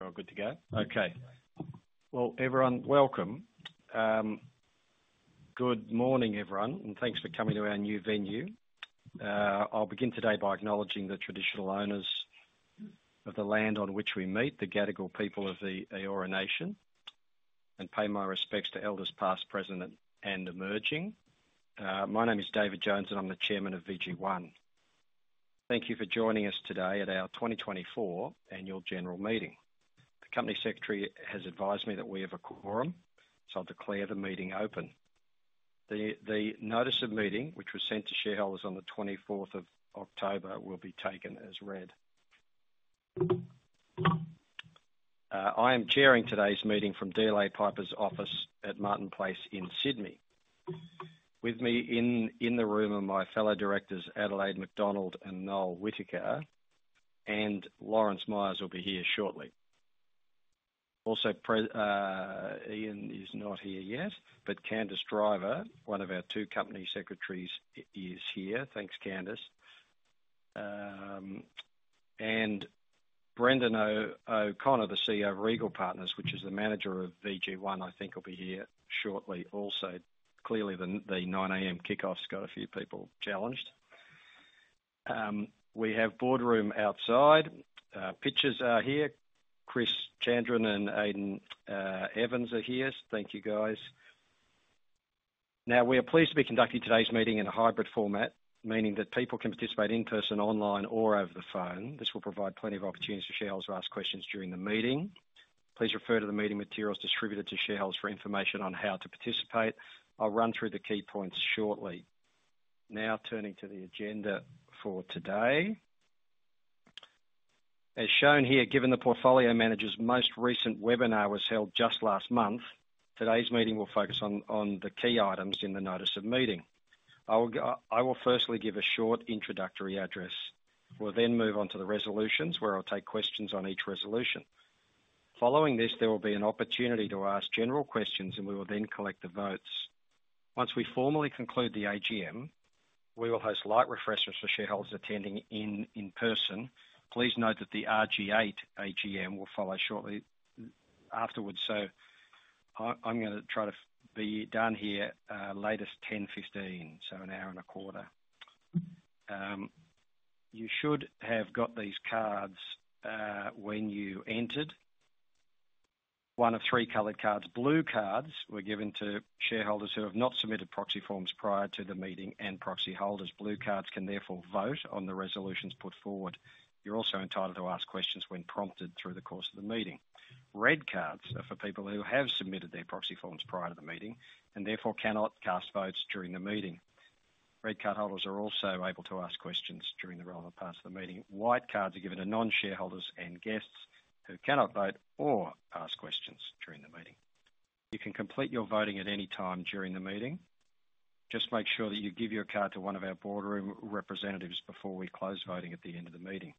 We're all good together? Okay. Well, everyone, welcome. Good morning, everyone, and thanks for coming to our new venue. I'll begin today by acknowledging the traditional owners of the land on which we meet, the Gadigal people of the Eora Nation, and pay my respects to elders past, present, and emerging. My name is David Jones, and I'm the chairman of VG1. Thank you for joining us today at our 2024 annual general meeting. The company secretary has advised me that we have a quorum, so I'll declare the meeting open. The notice of meeting, which was sent to shareholders on the 24th of October, will be taken as read. I am chairing today's meeting from DLA Piper's office at Martin Place in Sydney. With me in the room are my fellow directors, Adelaide McDonald and Noel Whittaker, and Lawrence Myers will be here shortly. Also, Ian is not here yet, but Candice Driver, one of our two company secretaries, is here. Thanks, Candace. And Brendan O'Connor, the CEO of Regal Partners, which is the manager of VG1, I think, will be here shortly also. Clearly, the 9:00 A.M. kickoff's got a few people challenged. We have Boardroom outside. Pitcher are here. Chris Chandran and Aidan Evans are here. Thank you, guys. Now, we are pleased to be conducting today's meeting in a hybrid format, meaning that people can participate in person, online, or over the phone. This will provide plenty of opportunities for shareholders to ask questions during the meeting. Please refer to the meeting materials distributed to shareholders for information on how to participate. I'll run through the key points shortly. Now, turning to the agenda for today. As shown here, given the portfolio manager's most recent webinar was held just last month, today's meeting will focus on the key items in the notice of meeting. I will firstly give a short introductory address. We'll then move on to the resolutions, where I'll take questions on each resolution. Following this, there will be an opportunity to ask general questions, and we will then collect the votes. Once we formally conclude the AGM, we will host light refreshments for shareholders attending in person. Please note that the RG8 AGM will follow shortly afterwards, so I'm going to try to be done here latest 10:15 A.M., so an hour and a quarter. You should have got these cards when you entered. One of three colored cards. Blue cards were given to shareholders who have not submitted proxy forms prior to the meeting and proxy holders. Blue cards can, therefore, vote on the resolutions put forward. You're also entitled to ask questions when prompted through the course of the meeting. Red cards are for people who have submitted their proxy forms prior to the meeting and, therefore, cannot cast votes during the meeting. Red card holders are also able to ask questions during the relevant parts of the meeting. White cards are given to non-shareholders and guests who cannot vote or ask questions during the meeting. You can complete your voting at any time during the meeting. Just make sure that you give your card to one of our Boardroom representatives before we close voting at the end of the meeting.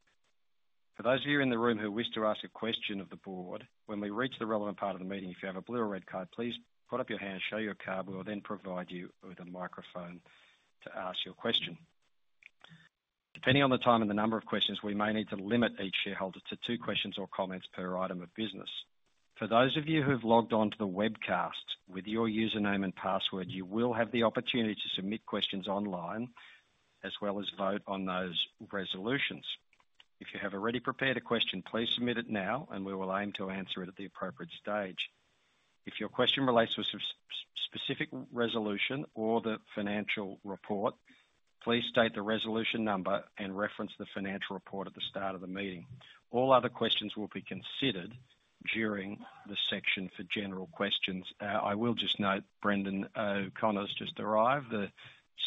For those of you in the room who wish to ask a question of the board, when we reach the relevant part of the meeting, if you have a blue or red card, please put up your hand, show your card. We will then provide you with a microphone to ask your question. Depending on the time and the number of questions, we may need to limit each shareholder to two questions or comments per item of business. For those of you who've logged on to the webcast with your username and password, you will have the opportunity to submit questions online as well as vote on those resolutions. If you have already prepared a question, please submit it now, and we will aim to answer it at the appropriate stage. If your question relates to a specific resolution or the financial report, please state the resolution number and reference the financial report at the start of the meeting. All other questions will be considered during the section for general questions. I will just note Brendan O'Connor's just arrived, the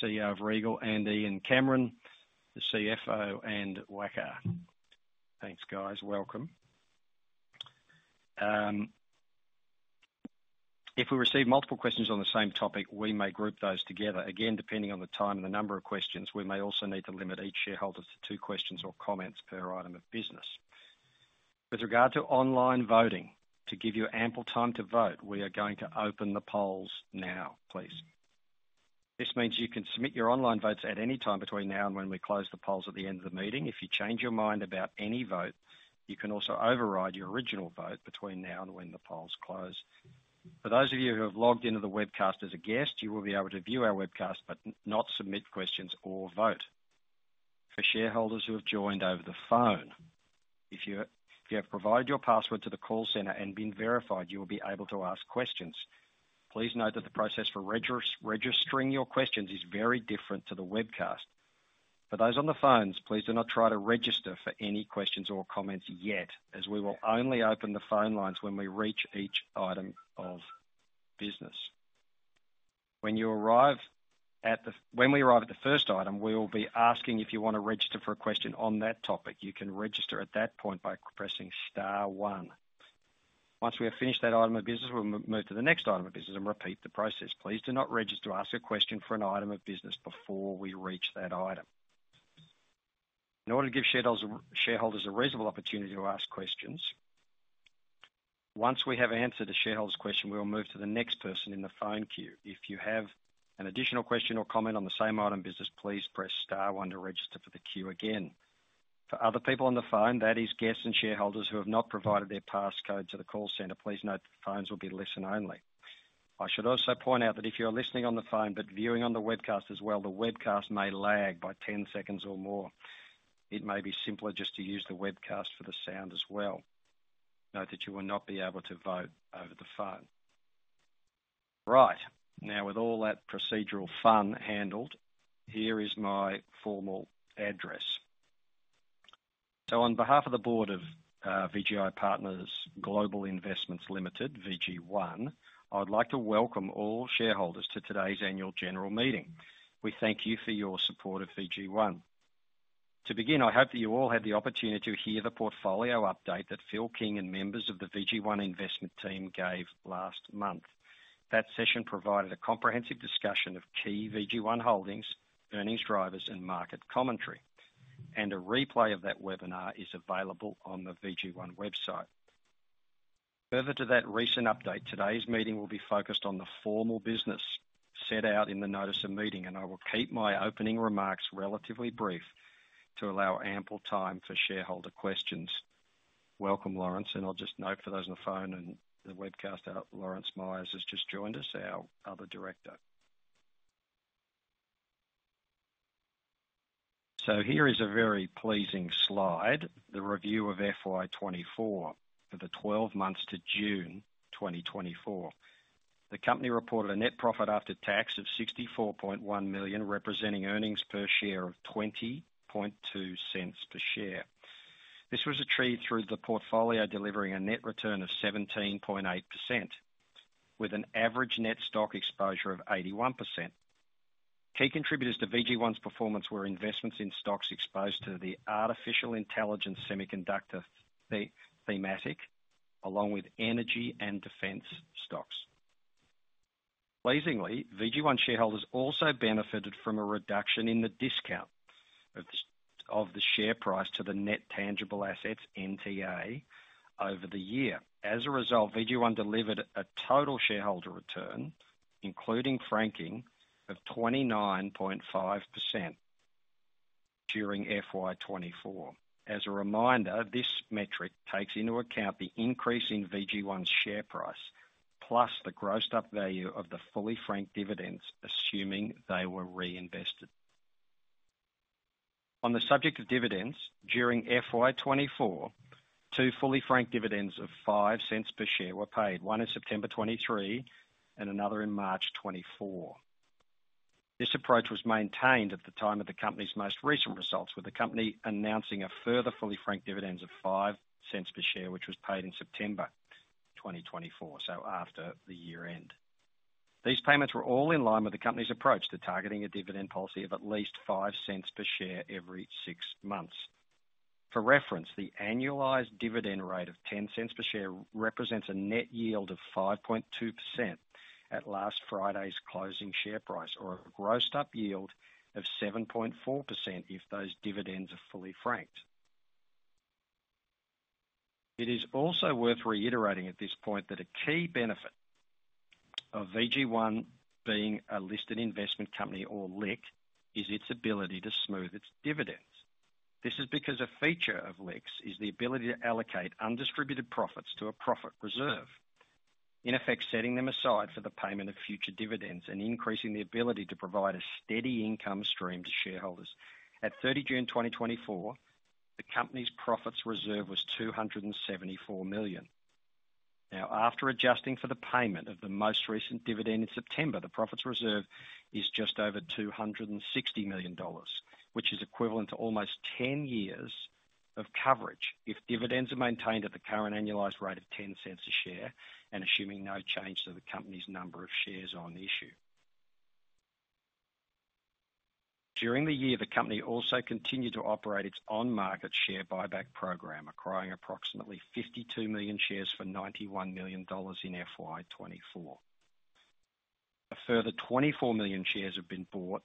CEO of Regal, and Ian Cameron, the CFO, and Waqar. Thanks, guys. Welcome. If we receive multiple questions on the same topic, we may group those together. Again, depending on the time and the number of questions, we may also need to limit each shareholder to two questions or comments per item of business. With regard to online voting, to give you ample time to vote, we are going to open the polls now, please. This means you can submit your online votes at any time between now and when we close the polls at the end of the meeting. If you change your mind about any vote, you can also override your original vote between now and when the polls close. For those of you who have logged into the webcast as a guest, you will be able to view our webcast but not submit questions or vote. For shareholders who have joined over the phone, if you have provided your password to the call center and been verified, you will be able to ask questions. Please note that the process for registering your questions is very different to the webcast. For those on the phones, please do not try to register for any questions or comments yet, as we will only open the phone lines when we reach each item of business. When we arrive at the first item, we will be asking if you want to register for a question on that topic. You can register at that point by pressing star one. Once we have finished that item of business, we'll move to the next item of business and repeat the process. Please do not register to ask a question for an item of business before we reach that item. In order to give shareholders a reasonable opportunity to ask questions, once we have answered a shareholder's question, we will move to the next person in the phone queue. If you have an additional question or comment on the same item of business, please press star one to register for the queue again. For other people on the phone, that is guests and shareholders who have not provided their passcode to the call center, please note the phones will be listen only. I should also point out that if you're listening on the phone but viewing on the webcast as well, the webcast may lag by 10 seconds or more. It may be simpler just to use the webcast for the sound as well. Note that you will not be able to vote over the phone. Right. Now, with all that procedural fun handled, here is my formal address. So, on behalf of the board of VGI Partners Global Investments Limited, VG1, I would like to welcome all shareholders to today's annual general meeting. We thank you for your support of VG1. To begin, I hope that you all had the opportunity to hear the portfolio update that Phil King and members of the VG1 investment team gave last month. That session provided a comprehensive discussion of key VG1 holdings, earnings drivers, and market commentary. A replay of that webinar is available on the VG1 website. Further to that recent update, today's meeting will be focused on the formal business set out in the notice of meeting, and I will keep my opening remarks relatively brief to allow ample time for shareholder questions. Welcome, Lawrence. I'll just note for those on the phone and the webcast, Lawrence Myers has just joined us, our other director. Here is a very pleasing slide, the review of FY 24 for the 12 months to June 2024. The company reported a net profit after tax of 64.1 million, representing earnings per share of 0.202 per share. This was achieved through the portfolio delivering a net return of 17.8%, with an average net stock exposure of 81%. Key contributors to VG1's performance were investments in stocks exposed to the artificial intelligence semiconductor thematic, along with energy and defense stocks. Pleasingly, VG1 shareholders also benefited from a reduction in the discount of the share price to the net tangible assets, NTA, over the year. As a result, VG1 delivered a total shareholder return, including franking, of 29.5% during FY 2024. As a reminder, this metric takes into account the increase in VG1's share price, plus the grossed-up value of the fully franked dividends, assuming they were reinvested. On the subject of dividends, during FY 2024, two fully franked dividends of 0.05 per share were paid, one in September 2023 and another in March 2024. This approach was maintained at the time of the company's most recent results, with the company announcing a further fully franked dividend of 0.05 per share, which was paid in September 2024, so after the year-end. These payments were all in line with the company's approach to targeting a dividend policy of at least 0.05 per share every six months. For reference, the annualized dividend rate of 0.10 per share represents a net yield of 5.2% at last Friday's closing share price, or a grossed-up yield of 7.4% if those dividends are fully franked. It is also worth reiterating at this point that a key benefit of VG1 being a listed investment company or LIC is its ability to smooth its dividends. This is because a feature of LICs is the ability to allocate undistributed profits to a profit reserve, in effect setting them aside for the payment of future dividends and increasing the ability to provide a steady income stream to shareholders. At 30 June 2024, the company's profit reserve was 274 million. Now, after adjusting for the payment of the most recent dividend in September, the profit reserve is just over 260 million dollars, which is equivalent to almost 10 years of coverage if dividends are maintained at the current annualized rate of 0.10 a share and assuming no change to the company's number of shares on issue. During the year, the company also continued to operate its on-market share buyback program, acquiring approximately 52 million shares for 91 million dollars in FY 2024. A further 24 million shares have been bought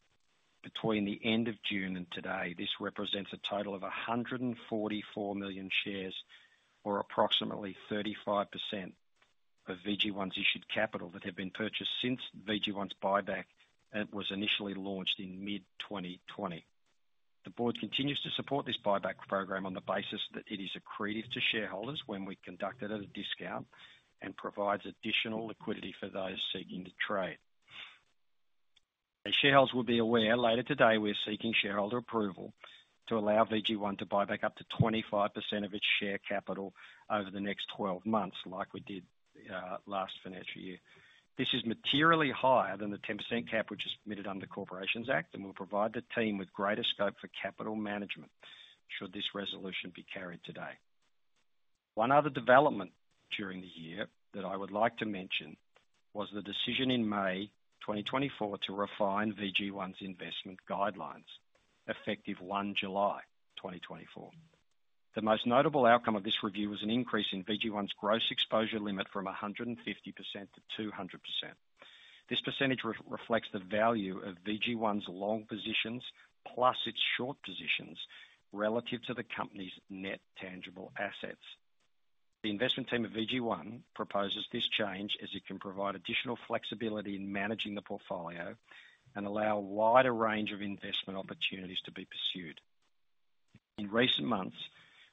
between the end of June and today. This represents a total of 144 million shares, or approximately 35% of VG1's issued capital that have been purchased since VG1's buyback was initially launched in mid-2020. The board continues to support this buyback program on the basis that it is accretive to shareholders when we conduct it at a discount and provides additional liquidity for those seeking to trade. Shareholders will be aware later today we're seeking shareholder approval to allow VG1 to buy back up to 25% of its share capital over the next 12 months, like we did last financial year. This is materially higher than the 10% cap which is submitted under the Corporations Act and will provide the team with greater scope for capital management should this resolution be carried today. One other development during the year that I would like to mention was the decision in May 2024 to refine VG1's investment guidelines, effective 1 July 2024. The most notable outcome of this review was an increase in VG1's gross exposure limit from 150% to 200%. This percentage reflects the value of VG1's long positions plus its short positions relative to the company's net tangible assets. The investment team of VG1 proposes this change as it can provide additional flexibility in managing the portfolio and allow a wider range of investment opportunities to be pursued. In recent months,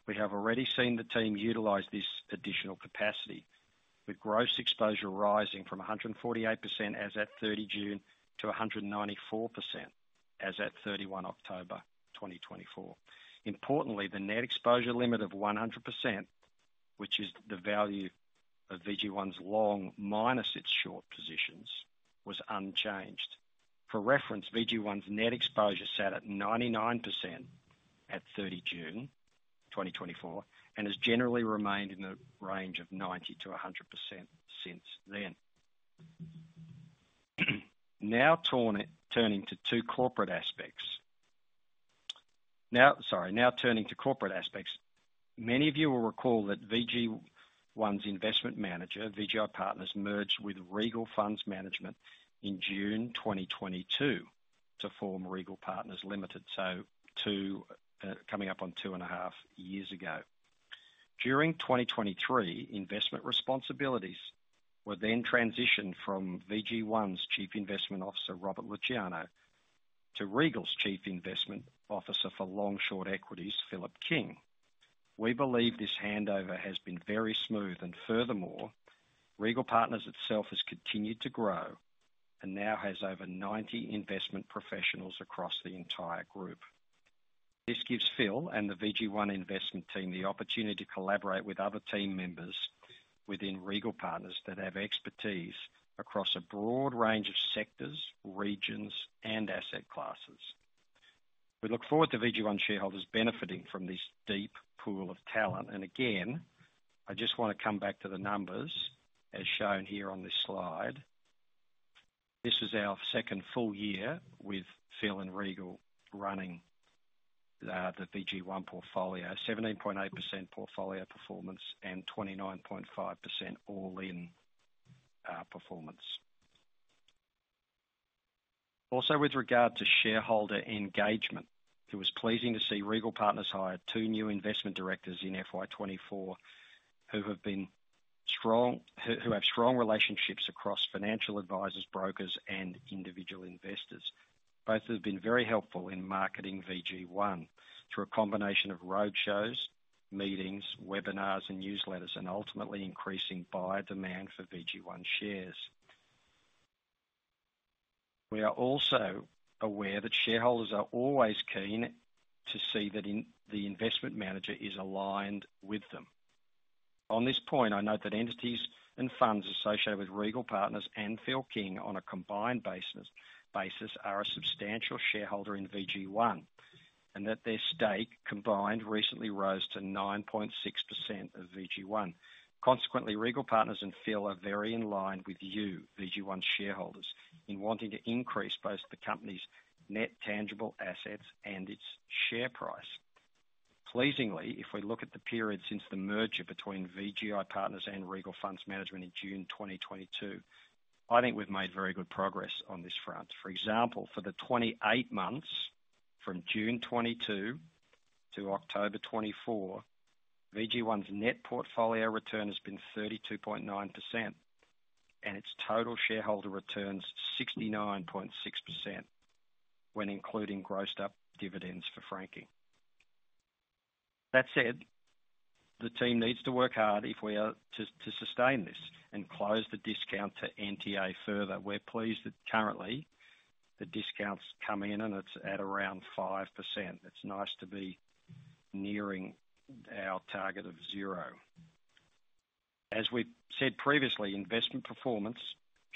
we have already seen the team utilize this additional capacity, with gross exposure rising from 148% as at 30 June to 194% as at 31 October 2024. Importantly, the net exposure limit of 100%, which is the value of VG1's long minus its short positions, was unchanged. For reference, VG1's net exposure sat at 99% at 30 June 2024 and has generally remained in the range of 90%-100% since then. Now turning to corporate aspects, many of you will recall that VG1's investment manager, VGI Partners, merged with Regal Funds Management in June 2022 to form Regal Partners Limited, so coming up on two and a half years ago. During 2023, investment responsibilities were then transitioned from VG1's Chief Investment Officer, Robert Luciano, to Regal's Chief Investment Officer for Long Short Equities, Philip King. We believe this handover has been very smooth. Furthermore, Regal Partners itself has continued to grow and now has over 90 investment professionals across the entire group. This gives Phil and the VG1 investment team the opportunity to collaborate with other team members within Regal Partners that have expertise across a broad range of sectors, regions, and asset classes. We look forward to VG1 shareholders benefiting from this deep pool of talent, and again, I just want to come back to the numbers as shown here on this slide. This was our second full year with Phil and Regal running the VG1 portfolio, 17.8% portfolio performance and 29.5% all-in performance. Also, with regard to shareholder engagement, it was pleasing to see Regal Partners hire two new investment directors in FY 24 who have strong relationships across financial advisors, brokers, and individual investors. Both have been very helpful in marketing VG1 through a combination of roadshows, meetings, webinars, and newsletters, and ultimately increasing buyer demand for VG1 shares. We are also aware that shareholders are always keen to see that the investment manager is aligned with them. On this point, I note that entities and funds associated with Regal Partners and Phil King on a combined basis are a substantial shareholder in VG1 and that their stake combined recently rose to 9.6% of VG1. Consequently, Regal Partners and Phil are very in line with you, VG1's shareholders, in wanting to increase both the company's net tangible assets and its share price. Pleasingly, if we look at the period since the merger between VGI Partners and Regal Funds Management in June 2022, I think we've made very good progress on this front. For example, for the 28 months from June 2022 to October 2024, VG1's net portfolio return has been 32.9%, and its total shareholder returns 69.6% when including grossed-up dividends for franking. That said, the team needs to work hard to sustain this and close the discount to NTA further. We're pleased that currently the discounts come in, and it's at around 5%. It's nice to be nearing our target of zero. As we said previously, investment performance,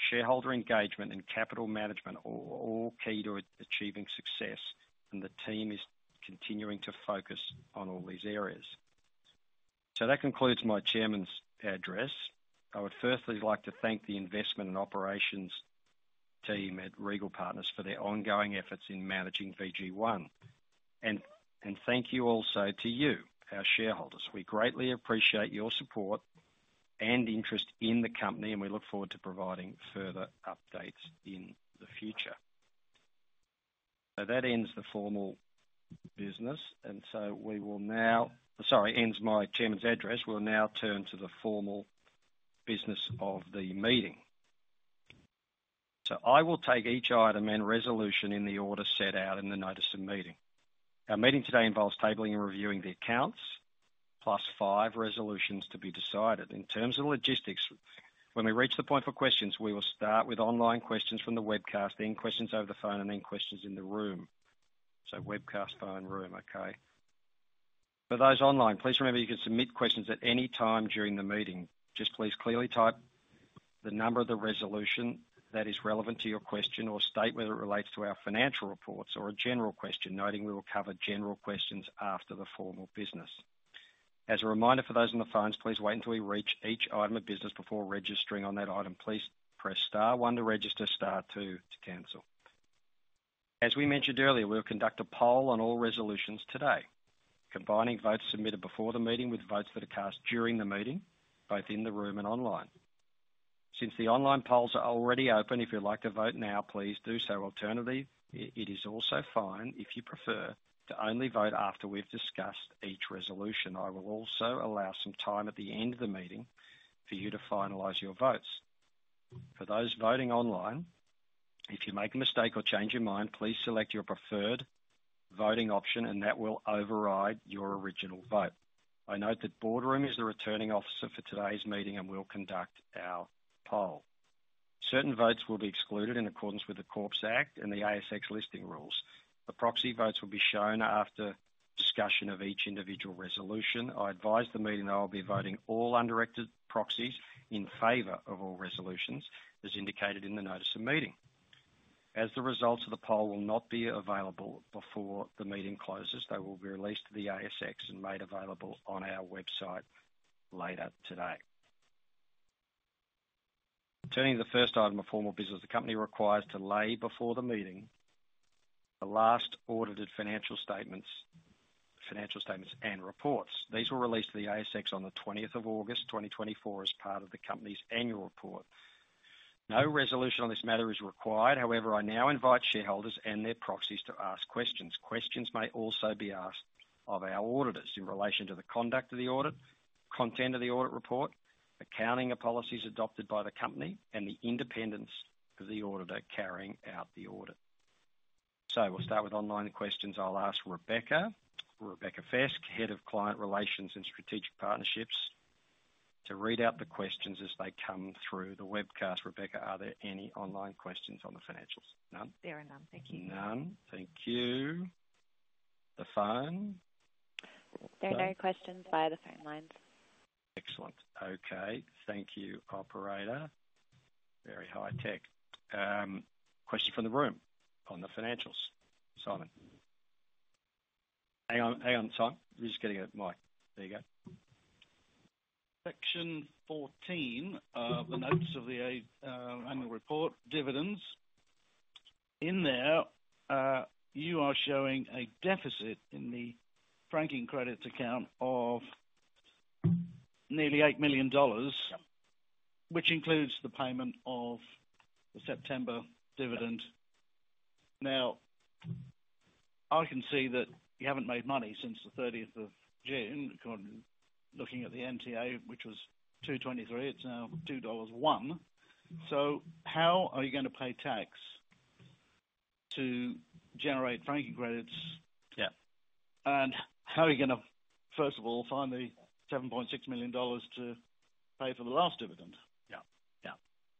shareholder engagement, and capital management are all key to achieving success, and the team is continuing to focus on all these areas. So that concludes my chairman's address. I would firstly like to thank the investment and operations team at Regal Partners for their ongoing efforts in managing VG1. And thank you also to you, our shareholders. We greatly appreciate your support and interest in the company, and we look forward to providing further updates in the future. So that ends the formal business. And so we will now, sorry, ends my chairman's address. We'll now turn to the formal business of the meeting. So I will take each item and resolution in the order set out in the notice of meeting. Our meeting today involves tabling and reviewing the accounts, plus five resolutions to be decided. In terms of logistics, when we reach the point for questions, we will start with online questions from the webcast, then questions over the phone, and then questions in the room. So webcast, phone, room, okay? For those online, please remember you can submit questions at any time during the meeting. Just please clearly type the number of the resolution that is relevant to your question or state whether it relates to our financial reports or a general question, noting we will cover general questions after the formal business. As a reminder for those on the phones, please wait until we reach each item of business before registering on that item. Please press star one to register, star two to cancel. As we mentioned earlier, we'll conduct a poll on all resolutions today, combining votes submitted before the meeting with votes that are cast during the meeting, both in the room and online. Since the online polls are already open, if you'd like to vote now, please do so. Alternatively, it is also fine if you prefer to only vote after we've discussed each resolution. I will also allow some time at the end of the meeting for you to finalize your votes. For those voting online, if you make a mistake or change your mind, please select your preferred voting option, and that will override your original vote. I note that Boardroom is the returning officer for today's meeting and will conduct our poll. Certain votes will be excluded in accordance with the Corporations Act and the ASX listing rules. The proxy votes will be shown after discussion of each individual resolution. I advise the meeting that I'll be voting all undirected proxies in favor of all resolutions, as indicated in the notice of meeting. As the results of the poll will not be available before the meeting closes, they will be released to the ASX and made available on our website later today. Turning to the first item of formal business, the company requires to lay before the meeting the last audited financial statements and reports. These were released to the ASX on the 20th of August 2024 as part of the company's annual report. No resolution on this matter is required. However, I now invite shareholders and their proxies to ask questions. Questions may also be asked of our auditors in relation to the conduct of the audit, content of the audit report, accounting of policies adopted by the company, and the independence of the auditor carrying out the audit. So we'll start with online questions. I'll ask Rebecca Fesq, Head of Client Relations and Strategic Partnerships, to read out the questions as they come through the webcast. Rebecca, are there any online questions on the financials? None? There are none. Thank you. None. Thank you. The phone? There are no questions via the phone lines. Excellent. Okay. Thank you, Operator. Very high tech. Question from the room on the financials, Simon. Hang on, Simon. You're just getting a mic. There you go. Section 14 of the notice of the annual report, dividends. In there, you are showing a deficit in the franking credits account of nearly 8 million dollars, which includes the payment of the September dividend. Now, I can see that you haven't made money since the 30th of June. According to looking at the NTA, which was 2.23, it's now 2.01 dollars. So how are you going to pay tax to generate franking credits? Yeah. And how are you going to, first of all, find the 7.6 million dollars to pay for the last dividend? Yeah. Yeah.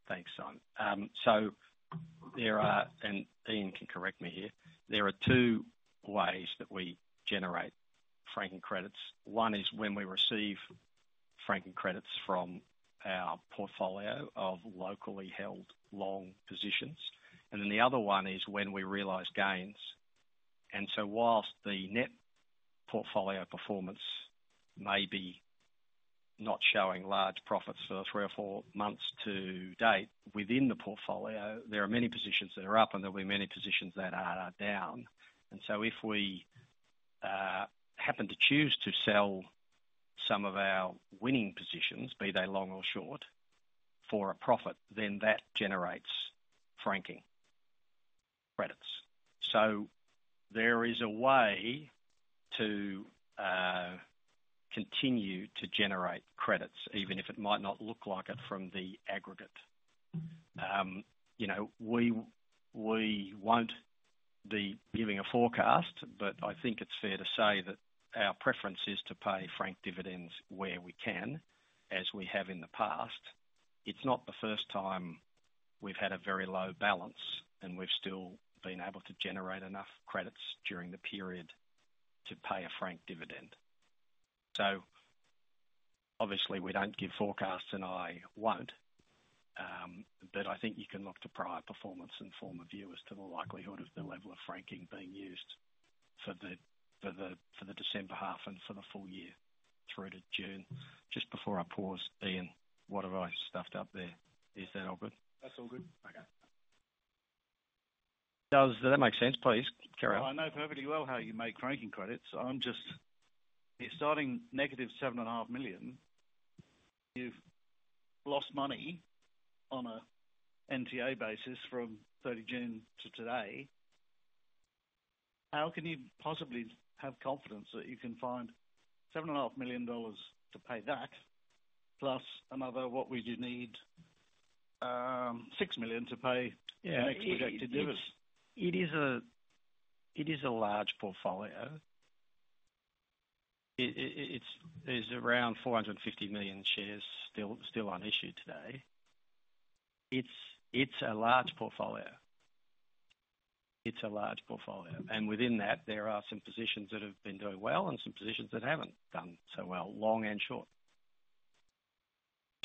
Thanks, Simon. So there are, and Ian can correct me here, there are two ways that we generate franking credits. One is when we receive franking credits from our portfolio of locally held long positions. And then the other one is when we realize gains. And so while the net portfolio performance may be not showing large profits for three or four months to date, within the portfolio, there are many positions that are up, and there will be many positions that are down. And so if we happen to choose to sell some of our winning positions, be they long or short, for a profit, then that generates franking credits. So there is a way to continue to generate credits, even if it might not look like it from the aggregate. We won't be giving a forecast, but I think it's fair to say that our preference is to pay frank dividends where we can, as we have in the past. It's not the first time we've had a very low balance, and we've still been able to generate enough credits during the period to pay a frank dividend. So obviously, we don't give forecasts, and I won't. But I think you can look to prior performance and form of view as to the likelihood of the level of franking being used for the December half and for the full year through to June. Just before I pause, Ian, what have I stuffed up there? Is that all good? That's all good. Okay. Does that make sense? Please carry on. I know perfectly well how you make franking credits. I'm just starting negative 7.5 million. You've lost money on an NTA basis from 30 June to today. How can you possibly have confidence that you can find 7.5 million dollars to pay that, plus another what we do need, 6 million to pay the next projected dividends? It is a large portfolio. It's around 450 million shares still unissued today. It's a large portfolio. It's a large portfolio. And within that, there are some positions that have been doing well and some positions that haven't done so well, long and short.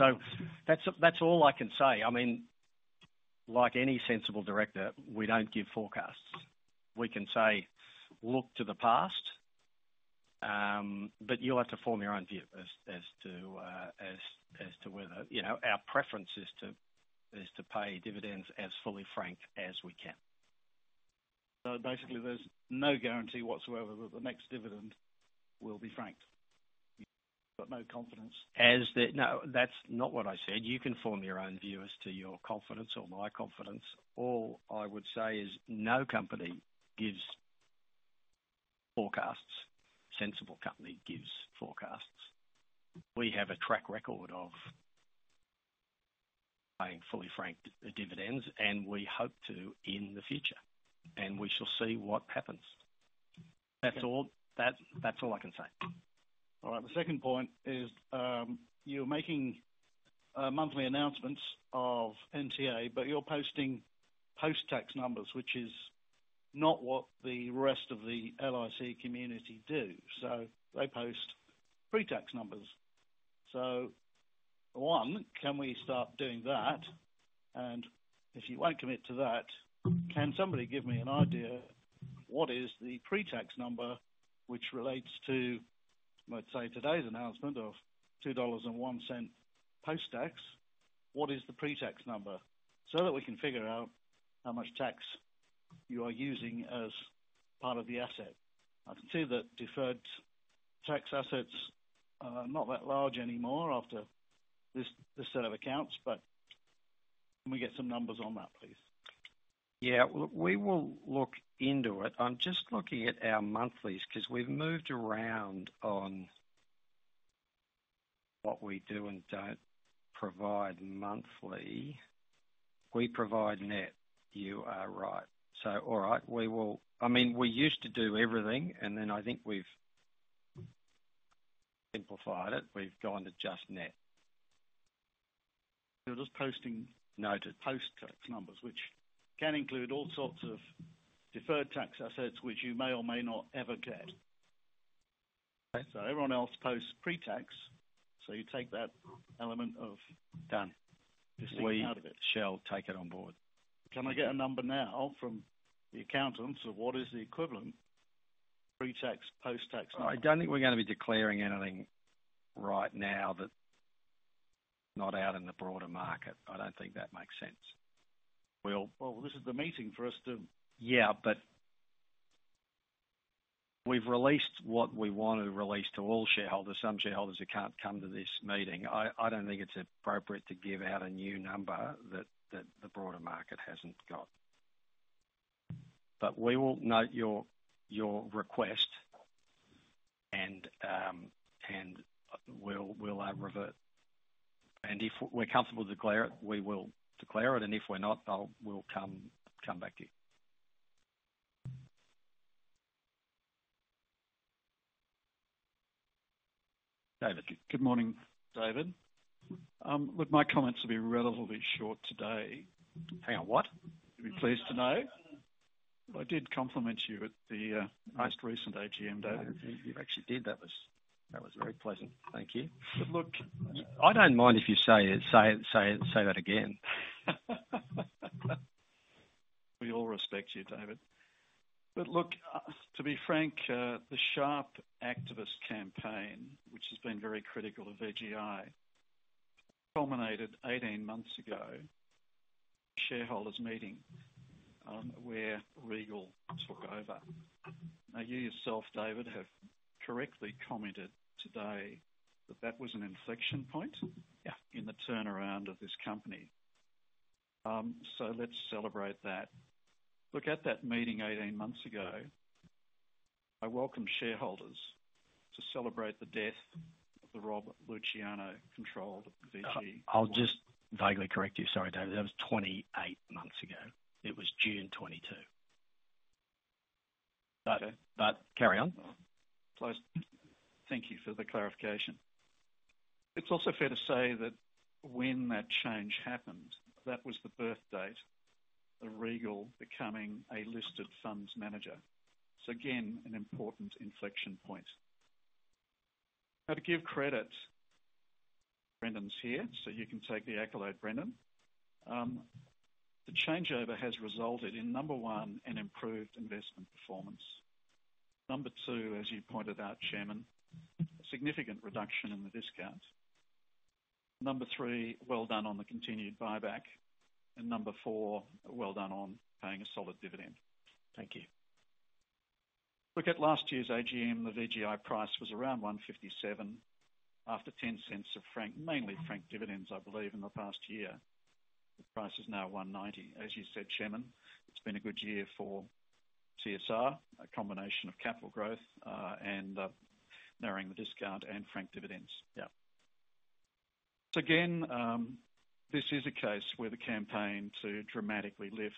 So that's all I can say. I mean, like any sensible director, we don't give forecasts. We can say, "Look to the past," but you'll have to form your own view as to whether our preference is to pay dividends as fully franked as we can. So basically, there's no guarantee whatsoever that the next dividend will be franked. You've got no confidence. As the no, that's not what I said. You can form your own view as to your confidence or my confidence. All I would say is no company gives forecasts. A sensible company gives forecasts. We have a track record of paying fully franked dividends, and we hope to in the future. And we shall see what happens. That's all I can say. All right. The second point is you're making monthly announcements of NTA, but you're posting post-tax numbers, which is not what the rest of the LIC community do. So they post pre-tax numbers. So one, can we start doing that? And if you won't commit to that, can somebody give me an idea what is the pre-tax number, which relates to, let's say, today's announcement of 2.01 dollars post-tax? What is the pre-tax number so that we can figure out how much tax you are using as part of the asset? I can see that deferred tax assets are not that large anymore after this set of accounts, but can we get some numbers on that, please? Yeah. Well, we will look into it. I'm just looking at our monthlies because we've moved around on what we do and don't provide monthly. We provide net. You are right. So all right. I mean, we used to do everything, and then I think we've simplified it. We've gone to just net. You're just posting post-tax numbers, which can include all sorts of deferred tax assets which you may or may not ever get. So everyone else posts pre-tax. So you take that element of. Done. We shall take it on board. Can I get a number now from the accountants of what is the equivalent pre-tax, post-tax number? I don't think we're going to be declaring anything right now that's not out in the broader market. I don't think that makes sense. Well, this is the meeting for us to. Yeah, but we've released what we want to release to all shareholders. Some shareholders who can't come to this meeting, I don't think it's appropriate to give out a new number that the broader market hasn't got. But we will note your request, and we'll revert. And if we're comfortable to declare it, we will declare it. And if we're not, we'll come back to you. David. Good morning, David. Look, my comments will be relatively short today. Hang on. What? You'll be pleased to know. I did compliment you at the most recent AGM, David. You actually did. That was very pleasant. Thank you. But look, I don't mind if you say that again. We all respect you, David. But look, to be frank, the Sharp Activist Campaign, which has been very critical of VGI, culminated 18 months ago at a shareholders' meeting where Regal took over. Now, you yourself, David, have correctly commented today that that was an inflection point in the turnaround of this company. So let's celebrate that. Look at that meeting 18 months ago. I welcome shareholders to celebrate the death of the Robert Luciano-controlled VG. I'll just vaguely correct you. Sorry, David. That was 28 months ago. It was June 2022. But carry on. Thank you for the clarification. It's also fair to say that when that change happened, that was the birth date of Regal becoming a listed funds manager. It's again an important inflection point. Now, to give credit, Brendan's here, so you can take the accolade, Brendan. The changeover has resulted in, number one, an improved investment performance. Number two, as you pointed out, Chairman, a significant reduction in the discount. Number three, well done on the continued buyback. And number four, well done on paying a solid dividend. Thank you. Look at last year's AGM. The VGI price was around 157 after 0.10 of mainly franked dividends, I believe, in the past year. The price is now 190. As you said, Chairman, it's been a good year for CSR, a combination of capital growth and narrowing the discount and frank dividends. Yeah. Again, this is a case where the campaign to dramatically lift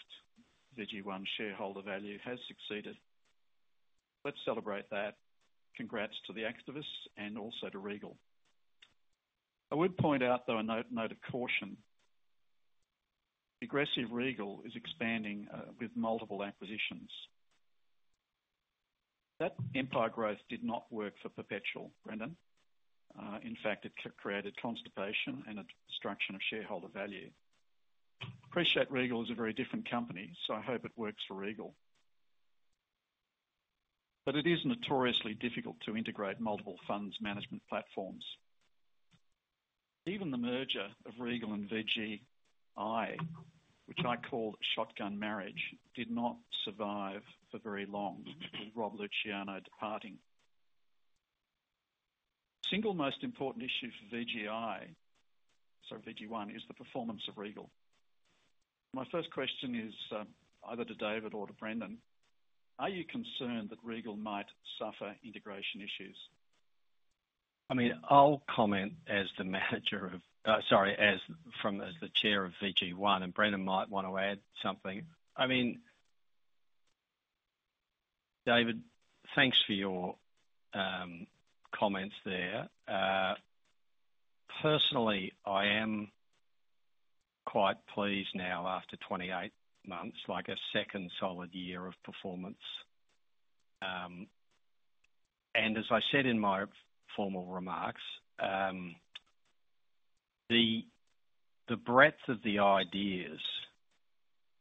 VG1 shareholder value has succeeded. Let's celebrate that. Congrats to the activists and also to Regal. I would point out, though, a note of caution. Aggressive Regal is expanding with multiple acquisitions. That empire growth did not work for Perpetual, Brendan. In fact, it created constipation and a destruction of shareholder value. Pre-merger Regal is a very different company, so I hope it works for Regal. But it is notoriously difficult to integrate multiple funds management platforms. Even the merger of Regal and VGI, which I called shotgun marriage, did not survive for very long with Rob Luciano departing. Single most important issue for VGI, sorry, VG1, is the performance of Regal. My first question is either to David or to Brendan. Are you concerned that Regal might suffer integration issues? I mean, I'll comment as the manager of sorry, as the chair of VG1, and Brendan might want to add something. I mean, David, thanks for your comments there. Personally, I am quite pleased now after 28 months, like a second solid year of performance, and as I said in my formal remarks, the breadth of the ideas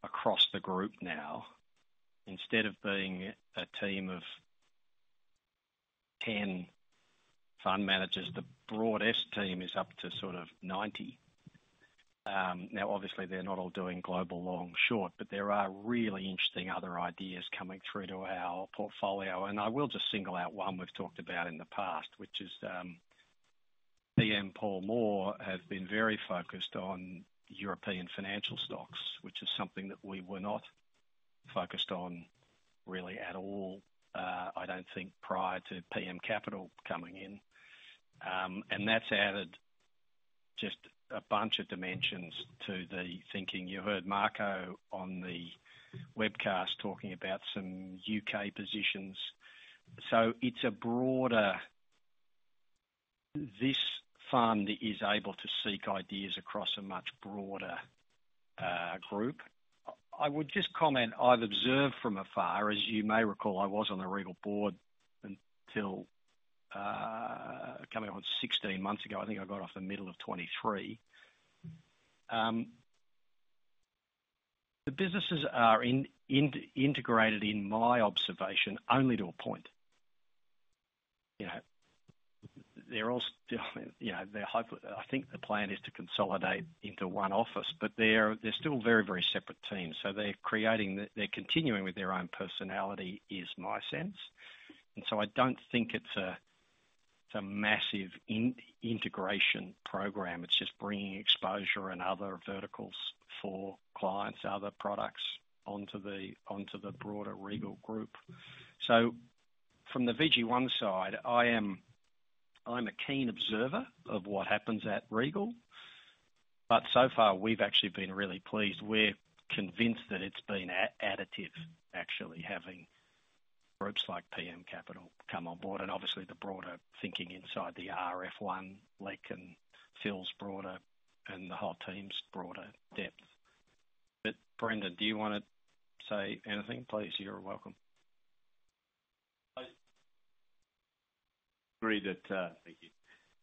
across the group now, instead of being a team of 10 fund managers, the broadest team is up to sort of 90. Now, obviously, they're not all doing global long short, but there are really interesting other ideas coming through to our portfolio. And I will just single out one we've talked about in the past, which is PM Paul Moore has been very focused on European financial stocks, which is something that we were not focused on really at all, I don't think, prior to PM Capital coming in. And that's added just a bunch of dimensions to the thinking. You heard Marco on the webcast talking about some U.K. positions. So it's a broader this fund is able to seek ideas across a much broader group. I would just comment I've observed from afar, as you may recall, I was on the Regal board until coming on 16 months ago. I think I got off the middle of 2023. The businesses are integrated, in my observation, only to a point. They're all still I think the plan is to consolidate into one office, but they're still very, very separate teams. So they're continuing with their own personality, is my sense. And so I don't think it's a massive integration program. It's just bringing exposure and other verticals for clients, other products onto the broader Regal group. So from the VG1 side, I am a keen observer of what happens at Regal. But so far, we've actually been really pleased. We're convinced that it's been additive, actually, having groups like PM Capital come on board and obviously the broader thinking inside the RF1, LIC and Phil's broader and the whole team's broader depth. But Brendan, do you want to say anything? Please, you're welcome. I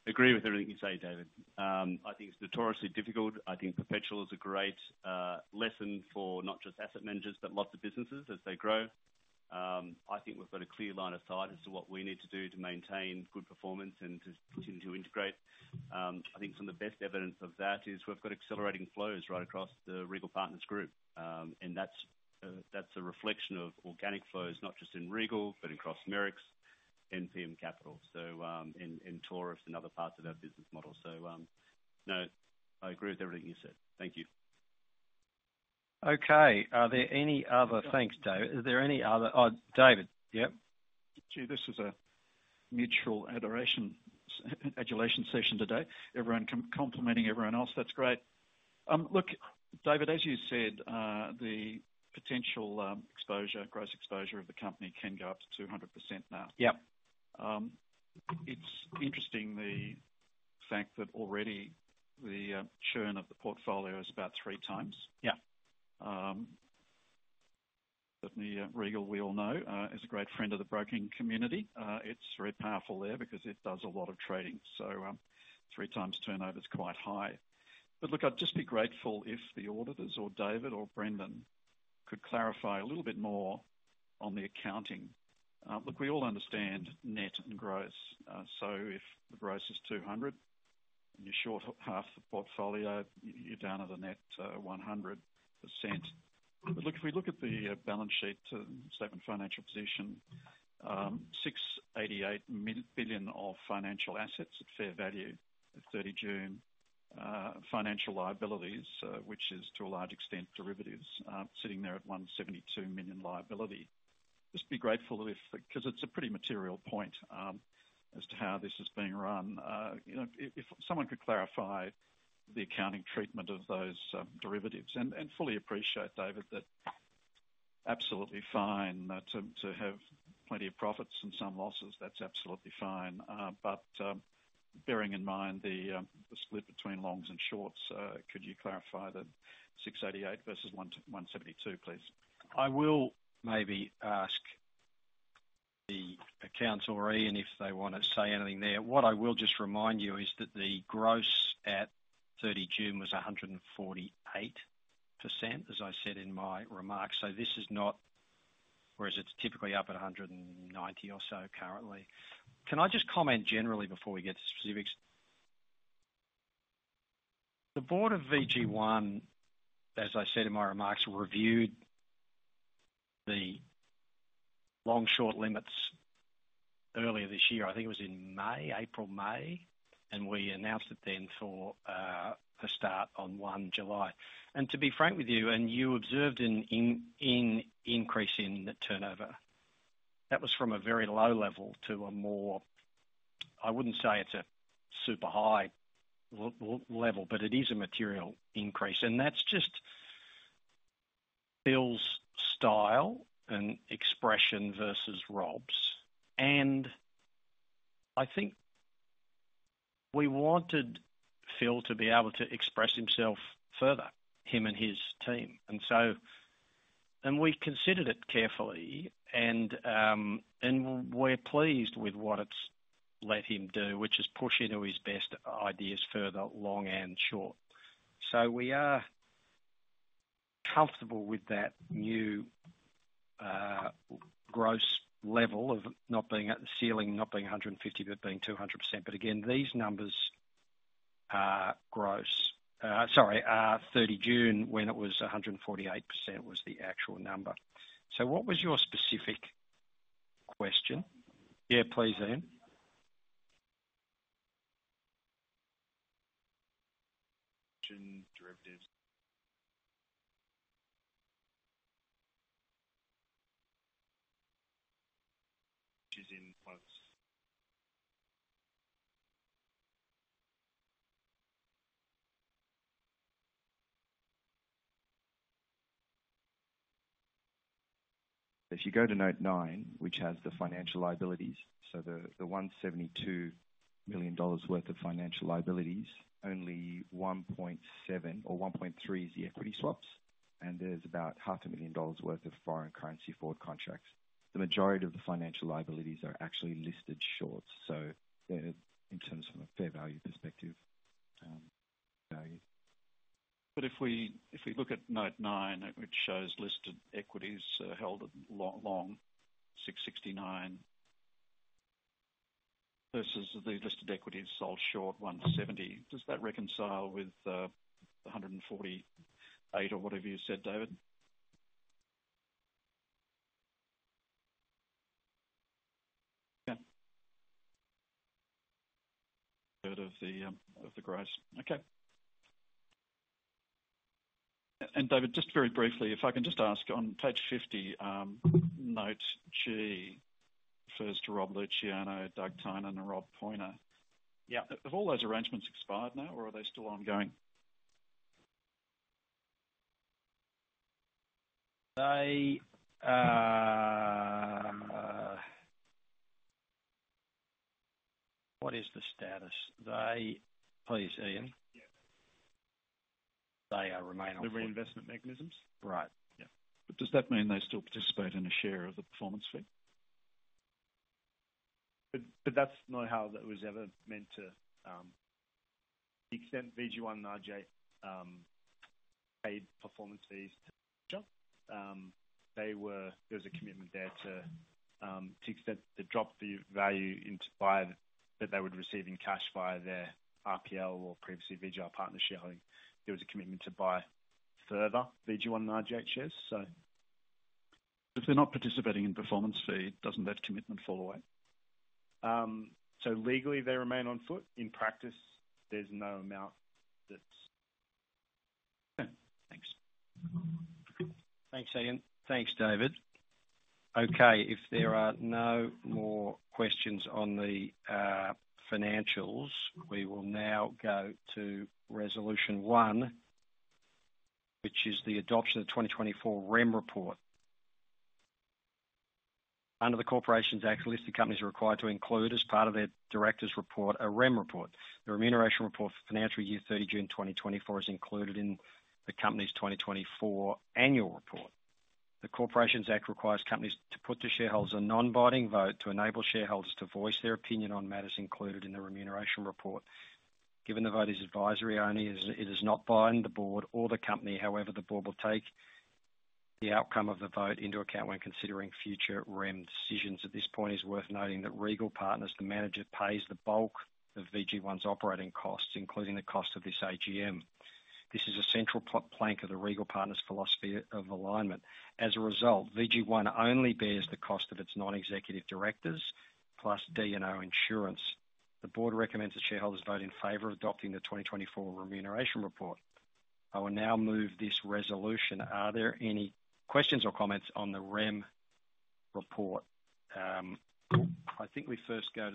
agree with everything you say, David. I think it's notoriously difficult. I think Perpetual is a great lesson for not just asset managers, but lots of businesses as they grow. I think we've got a clear line of sight as to what we need to do to maintain good performance and to continue to integrate. I think some of the best evidence of that is we've got accelerating flows right across the Regal Partners group. And that's a reflection of organic flows, not just in Regal, but across Merricks, PM Capital, so in Taurus and other parts of their business model. So no, I agree with everything you said. Thank you. Okay. Are there any other thanks, David? Is there any other David. Yep. Actually, this is a mutual adulation session today. Everyone complimenting everyone else. That's great. Look, David, as you said, the potential exposure, gross exposure of the company can go up to 200% now. It's interesting the fact that already the churn of the portfolio is about three times. But the Regal, we all know, is a great friend of the broking community. It's very powerful there because it does a lot of trading. So three times turnover is quite high. But look, I'd just be grateful if the auditors or David or Brendan could clarify a little bit more on the accounting. Look, we all understand net and gross. So if the gross is 200 and you short half the portfolio, you're down at a net 100%. But look, if we look at the balance sheet to statement financial position, 688 billion of financial assets at fair value at 30 June. Financial liabilities, which is to a large extent derivatives, sitting there at 172 million liability. Just be grateful because it's a pretty material point as to how this is being run. If someone could clarify the accounting treatment of those derivatives. I fully appreciate, David, that it's absolutely fine to have plenty of profits and some losses. That's absolutely fine. But bearing in mind the split between longs and shorts, could you clarify the 688 versus 172, please? I will maybe ask the accountant or Ian, if they want to say anything there. What I will just remind you is that the gross at 30 June was 148%, as I said in my remarks. So this is not, whereas it's typically up at 190 or so currently. Can I just comment generally before we get to specifics? The board of VG1, as I said in my remarks, reviewed the long-short limits earlier this year. I think it was in April, May. We announced it then for a start on 1 July. To be frank with you, you observed an increase in turnover. That was from a very low level to a more. I wouldn't say it's a super high level, but it is a material increase, and that's just Phil's style and expression versus Rob's, and I think we wanted Phil to be able to express himself further, him and his team, and we considered it carefully, and we're pleased with what it's let him do, which is push into his best ideas further, long and short, so we are comfortable with that new gross level of not being at the ceiling, not being 150, but being 200%, but again, these numbers are gross. Sorry, 30 June, when it was 148%, was the actual number, so what was your specific question? Yeah, please, Ian. If you go to Note 9, which has the financial liabilities, so the 172 million dollars worth of financial liabilities, only 1.7 or 1.3 is the equity swaps. There's about 500,000 dollars worth of foreign currency forward contracts. The majority of the financial liabilities are actually listed shorts. So in terms from a fair value perspective, value. But if we look at note nine, which shows listed equities held long, 669 versus the listed equities sold short, 170, does that reconcile with 148 or whatever you said, David? Yeah. Of the gross. Okay. David, just very briefly, if I can just ask on page 50, note G refers to Rob Luciano, Doug Tynan, and Rob Poiner. Have all those arrangements expired now, or are they still ongoing? What is the status? Please, Ian. They remain ongoing. The reinvestment mechanisms? Right. Yeah. But does that mean they still participate in a share of the performance fee? But that's not how that was ever meant to. the extent VG1 and RJ paid performance fees to each other, there was a commitment there to defer the value of that they would receive in cash via their RPL or previously VGI Partners shareholding. There was a commitment to buy further VG1 and RJ shares, so. But if they're not participating in performance fee, doesn't that commitment fall away? So legally, they remain on foot. In practice, there's no amount that. Yeah. Thanks. Thanks, Ian. Thanks, David. Okay. If there are no more questions on the financials, we will now go to resolution one, which is the adoption of the 2024 Rem report. Under the Corporations Act, listed companies are required to include as part of their director's report a Rem report. The remuneration report for financial year 30 June 2024 is included in the company's 2024 annual report. The Corporations Act requires companies to put to shareholders a non-binding vote to enable shareholders to voice their opinion on matters included in the remuneration report. Given the vote is advisory only, it is not binding the board or the company. However, the board will take the outcome of the vote into account when considering future REM decisions. At this point, it is worth noting that Regal Partners, the manager, pays the bulk of VG1's operating costs, including the cost of this AGM. This is a central plank of the Regal Partners' philosophy of alignment. As a result, VG1 only bears the cost of its non-executive directors plus D&O insurance. The board recommends the shareholders vote in favor of adopting the 2024 remuneration report. I will now move this resolution. Are there any questions or comments on the Rem report? I think we first go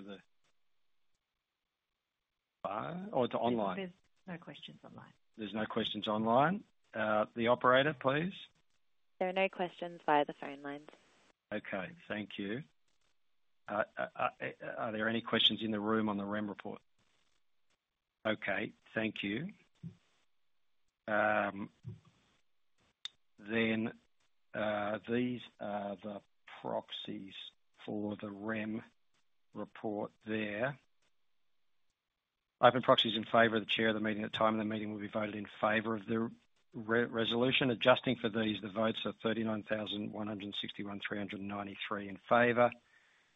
to online. There's no questions online. There's no questions online. The operator, please. There are no questions via the phone lines. Okay. Thank you. Are there any questions in the room on the Rem report? Okay. Thank you. Then these are the proxies for the Rem report there. Open proxies in favor of the chair of the meeting. The time of the meeting will be voted in favor of the resolution. Adjusting for these, the votes are 39,161,393 in favor,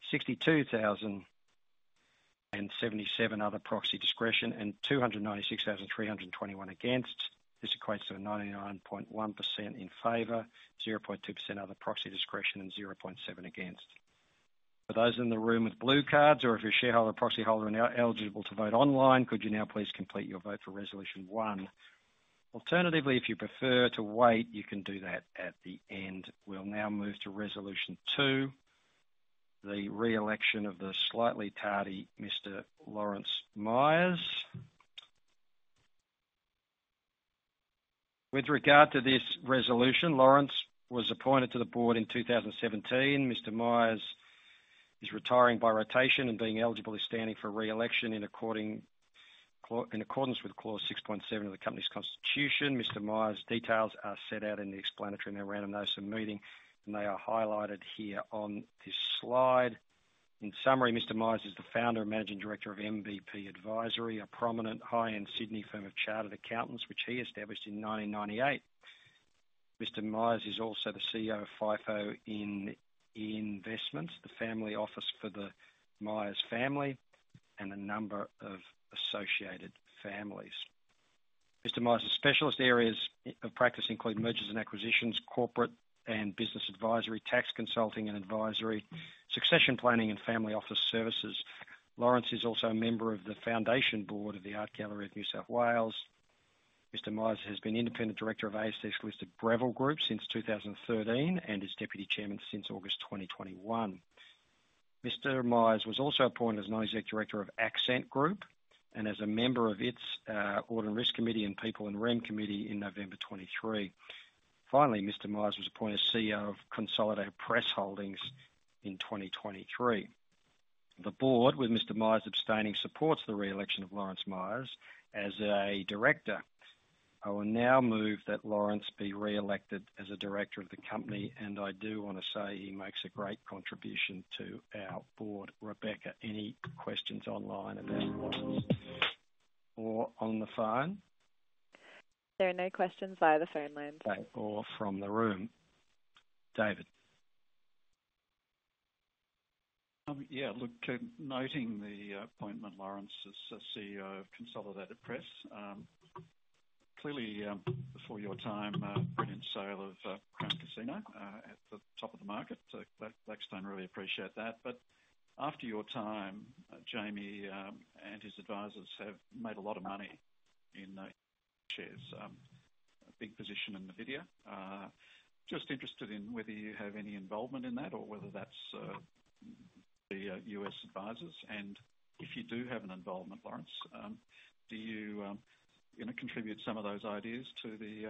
62,077 other proxy discretion, and 296,321 against. This equates to a 99.1% in favor, 0.2% other proxy discretion, and 0.7% against. For those in the room with blue cards or if you're a shareholder or proxy holder eligible to vote online, could you now please complete your vote for resolution one? Alternatively, if you prefer to wait, you can do that at the end. We'll now move to resolution two, the reelection of the slightly tardy Mr. Lawrence Myers. With regard to this resolution, Lawrence was appointed to the board in 2017. Mr. Myers is retiring by rotation and being eligible, standing for reelection in accordance with clause 6.7 of the company's constitution. Mr. Myers' details are set out in the explanatory and the remuneration notes of meeting, and they are highlighted here on this slide. In summary, Mr. Myers is the founder and managing director of MVP Advisory, a prominent high-end Sydney firm of chartered accountants, which he established in 1998. Mr. Myers is also the CEO of FIFO Investments, the family office for the Myers family and a number of associated families. Mr. Myers' specialist areas of practice include mergers and acquisitions, corporate and business advisory, tax consulting and advisory, succession planning, and family office services. Lawrence is also a member of the foundation board of the Art Gallery of New South Wales. Mr. Myers has been independent director of ASX listed Breville Group since 2013 and is deputy chairman since August 2021. Mr. Myers was also appointed as non-executive director of Accent Group and as a member of its audit and risk committee and people and REM committee in November 2023. Finally, Mr. Myers was appointed CEO of Consolidated Press Holdings in 2023. The board, with Mr. Myers abstaining, supports the reelection of Lawrence Myers as a director. I will now move that Lawrence be reelected as a director of the company. And I do want to say he makes a great contribution to our board. Rebecca, any questions online about Lawrence or on the phone? There are no questions via the phone lines. Okay. Or from the room. David. Yeah. Look, noting the appointment, Lawrence is CEO of Consolidated Press. Clearly, before your time, brilliant sale of Crown Casino at the top of the market. Blackstone really appreciate that. But after your time, Jamie and his advisors have made a lot of money in shares. Big position in NVIDIA. Just interested in whether you have any involvement in that or whether that's the U.S. advisors. And if you do have an involvement, Lawrence, do you want to contribute some of those ideas to the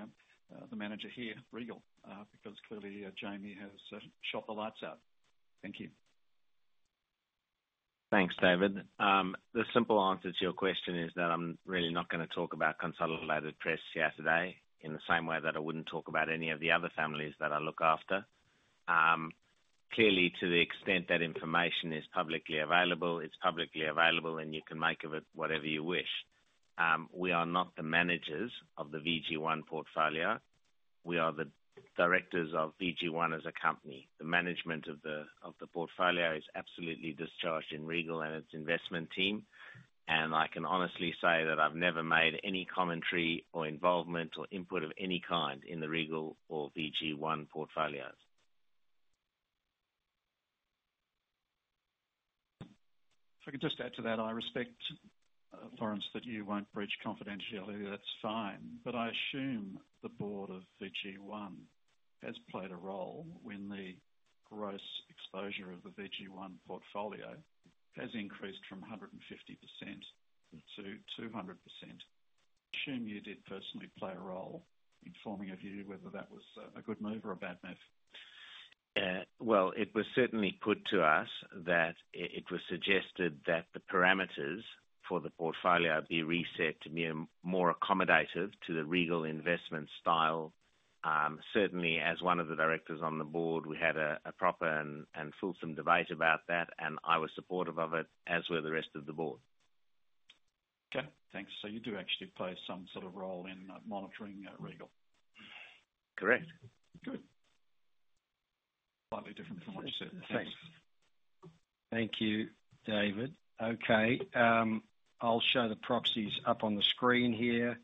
manager here, Regal, because clearly, Jamie has shot the lights out. Thank you. Thanks, David. The simple answer to your question is that I'm really not going to talk about Consolidated Press yesterday in the same way that I wouldn't talk about any of the other families that I look after. Clearly, to the extent that information is publicly available, it's publicly available, and you can make of it whatever you wish. We are not the managers of the VG1 portfolio. We are the directors of VG1 as a company. The management of the portfolio is absolutely discharged in Regal and its investment team. And I can honestly say that I've never made any commentary or involvement or input of any kind in the Regal or VG1 portfolios. If I could just add to that, I respect Lawrence that you won't breach confidentiality. That's fine. But I assume the board of VG1 has played a role when the gross exposure of the VG1 portfolio has increased from 150%-200%. Assume you did personally play a role in forming a view whether that was a good move or a bad move. Well, it was certainly put to us that it was suggested that the parameters for the portfolio be reset to be more accommodative to the Regal investment style. Certainly, as one of the directors on the board, we had a proper and fulsome debate about that. And I was supportive of it, as were the rest of the board. Okay. Thanks. So you do actually play some sort of role in monitoring Regal. Correct. Good. Slightly different from what you said. Thanks. Thank you, David. Okay. I'll show the proxies up on the screen here.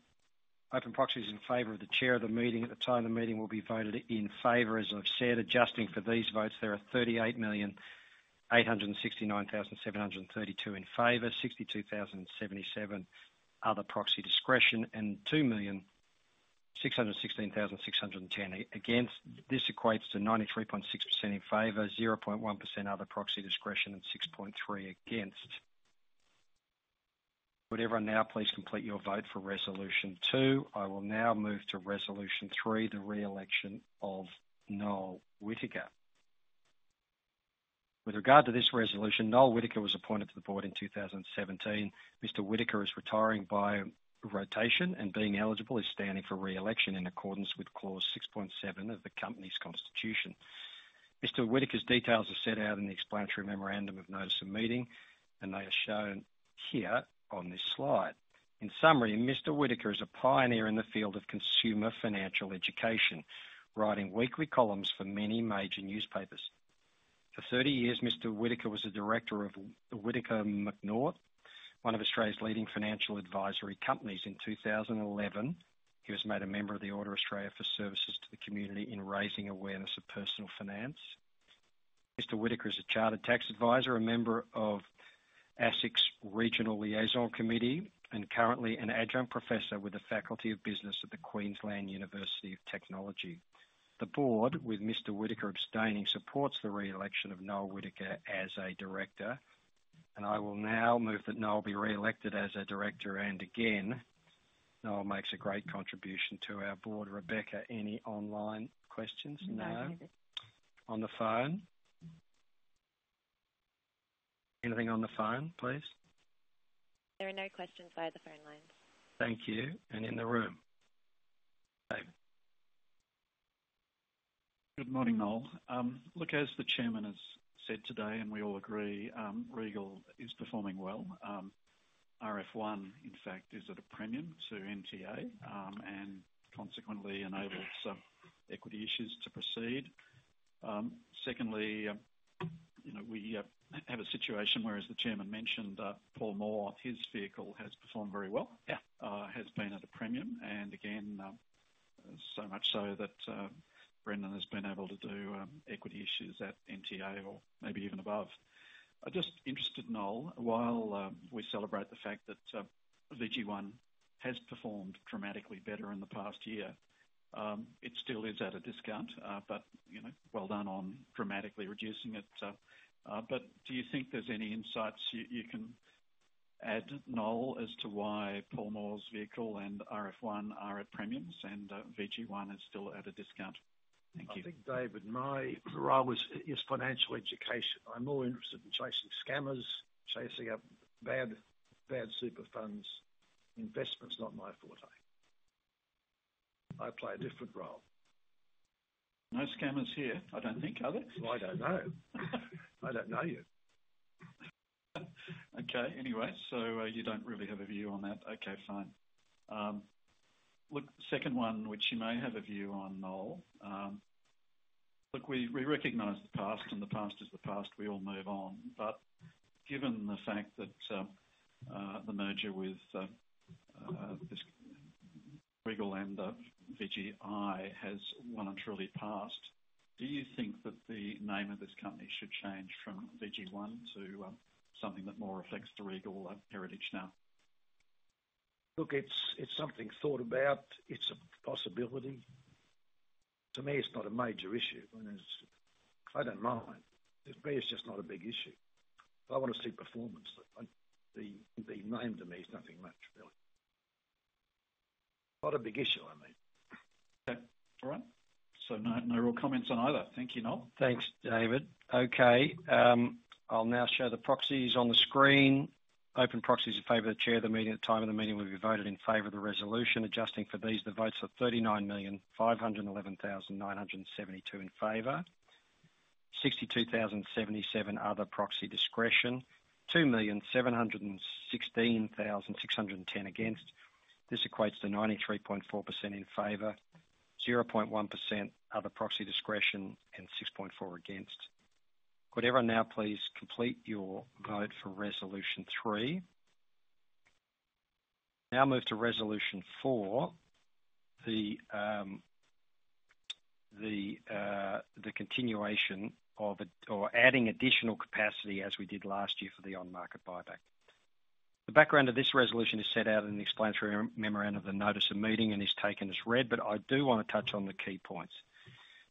Open proxies in favor of the chair of the meeting. At the time of the meeting, we'll be voted in favor, as I've said. Adjusting for these votes, there are 38,869,732 in favor, 62,077 other proxy discretion, and 2,616,610 against. This equates to 93.6% in favor, 0.1% other proxy discretion, and 6.3% against. Would everyone now please complete your vote for resolution two? I will now move to resolution three, the reelection of Noel Whittaker. With regard to this resolution, Noel Whittaker was appointed to the board in 2017. Mr. Whittaker is retiring by rotation and being eligible to standing for reelection in accordance with clause 6.7 of the company's constitution. Mr. Whittaker's details are set out in the explanatory memorandum of notice of meeting, and they are shown here on this slide. In summary, Mr. Whittaker is a pioneer in the field of consumer financial education, writing weekly columns for many major newspapers. For 30 years, Mr. Whittaker was the director of Whittaker Macnaught, one of Australia's leading financial advisory companies. In 2011, he was made a member of the Order of Australia for Services to the Community in raising awareness of personal finance. Mr. Whittaker is a chartered tax advisor, a member of ASIC's regional liaison committee, and currently an adjunct professor with the Faculty of Business at the Queensland University of Technology. The board, with Mr. Whittaker abstaining, supports the reelection of Noel Whittaker as a director, and I will now move that Noel be reelected as a director, and again, Noel makes a great contribution to our board. Rebecca, any online questions? No. On the phone? Anything on the phone, please? There are no questions via the phone lines. Thank you, and in the room? David. Good morning, Noel. Look, as the chairman has said today, and we all agree, Regal is performing well. RF1, in fact, is at a premium to NTA and consequently enables some equity issues to proceed. Secondly, we have a situation where, as the chairman mentioned, Paul Moore, his vehicle has performed very well, has been at a premium. And again, so much so that Brendan has been able to do equity issues at NTA or maybe even above. Just interested, Noel, while we celebrate the fact that VG1 has performed dramatically better in the past year, it still is at a discount. But well done on dramatically reducing it. But do you think there's any insights you can add, Noel, as to why Paul Moore's vehicle and RF1 are at premiums and VG1 is still at a discount? Thank you. I think, David, my role is financial education. I'm more interested in chasing scammers, chasing bad super funds. Investment's not my forte. I play a different role. No scammers here, I don't think, are there? I don't know. I don't know you. Okay. Anyway, so you don't really have a view on that. Okay. Fine. Look, second one, which you may have a view on, Noel. Look, we recognize the past, and the past is the past. We all move on. But given the fact that the merger with Regal and VGI has now really passed, do you think that the name of this company should change from VG1 to something that more reflects the Regal heritage now? Look, it's something thought about. It's a possibility. To me, it's not a major issue. I don't mind. To me, it's just not a big issue. I want to see performance. The name to me is nothing much, really. Not a big issue, I mean. Okay. All right. So no real comments on either. Thank you, Noel. Thanks, David. Okay. I'll now show the proxies on the screen. Open proxies in favor of the chair of the meeting. At the time of the meeting, we'll be voted in favor of the resolution. Adjusting for these, the votes are 39,511,972 in favor, 62,077 other proxy discretion, 2,716,610 against. This equates to 93.4% in favor, 0.1% other proxy discretion, and 6.4% against. Could everyone now please complete your vote for resolution three? Now move to resolution four, the continuation of or adding additional capacity as we did last year for the on-market buyback. The background of this resolution is set out in the explanatory memorandum of the notice of meeting and is taken as read. But I do want to touch on the key points.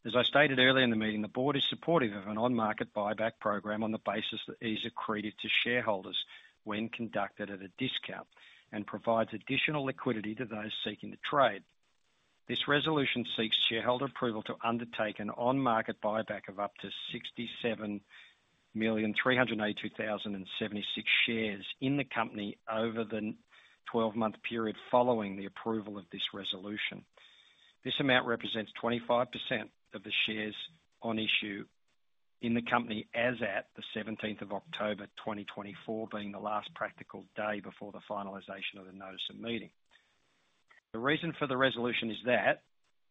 As I stated earlier in the meeting, the board is supportive of an on-market buyback program on the basis that these are created to shareholders when conducted at a discount and provides additional liquidity to those seeking to trade. This resolution seeks shareholder approval to undertake an on-market buyback of up to 67,382,076 shares in the company over the 12-month period following the approval of this resolution. This amount represents 25% of the shares on issue in the company as at the 17th of October 2024, being the last practical day before the finalization of the notice of meeting. The reason for the resolution is that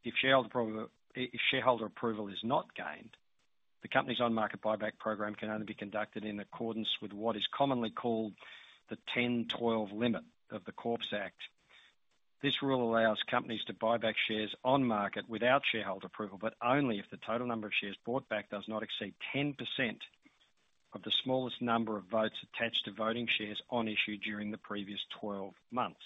if shareholder approval is not gained, the company's on-market buyback program can only be conducted in accordance with what is commonly called the 10-12 limit of the Corporations Act. This rule allows companies to buy back shares on market without shareholder approval, but only if the total number of shares bought back does not exceed 10% of the smallest number of votes attached to voting shares on issue during the previous 12 months.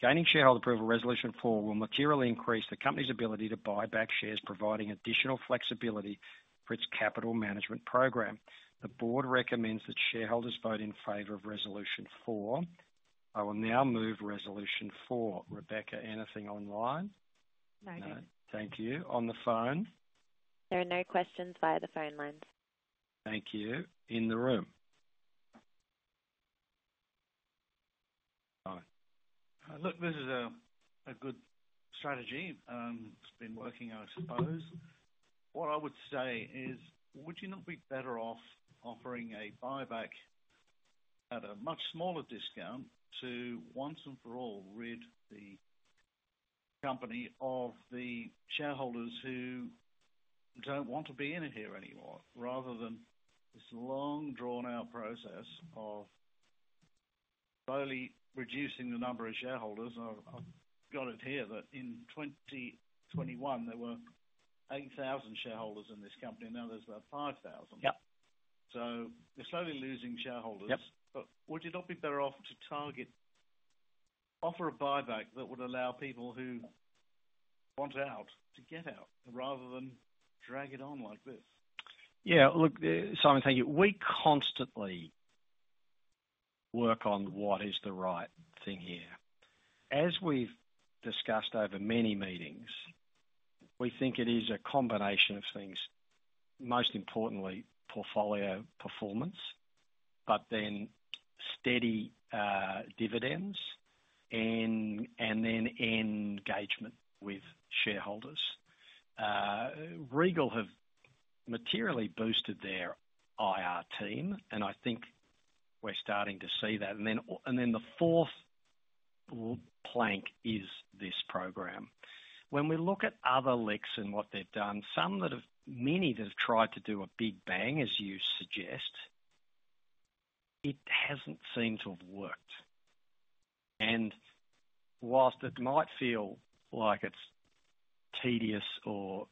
Gaining shareholder approval, resolution four will materially increase the company's ability to buy back shares, providing additional flexibility for its capital management program. The board recommends that shareholders vote in favor of resolution four. I will now move resolution four. Rebecca, anything online? No. Thank you. On the phone? There are no questions via the phone lines. Thank you. In the room? No. Look, this is a good strategy. It's been working, I suppose. What I would say is, would you not be better off offering a buyback at a much smaller discount to once and for all rid the company of the shareholders who don't want to be in here anymore, rather than this long-drawn-out process of slowly reducing the number of shareholders? I've got it here that in 2021, there were 8,000 shareholders in this company. Now there's about 5,000. So we're slowly losing shareholders. But would you not be better off to target offer a buyback that would allow people who want out to get out rather than drag it on like this? Yeah. Look, Simon, thank you. We constantly work on what is the right thing here. As we've discussed over many meetings, we think it is a combination of things. Most importantly, portfolio performance, but then steady dividends, and then engagement with shareholders. Regal have materially boosted their IR team, and I think we're starting to see that. And then the fourth plank is this program. When we look at other LICs and what they've done, many that have tried to do a big bang, as you suggest, it hasn't seemed to have worked. And whilst it might feel like it's tedious or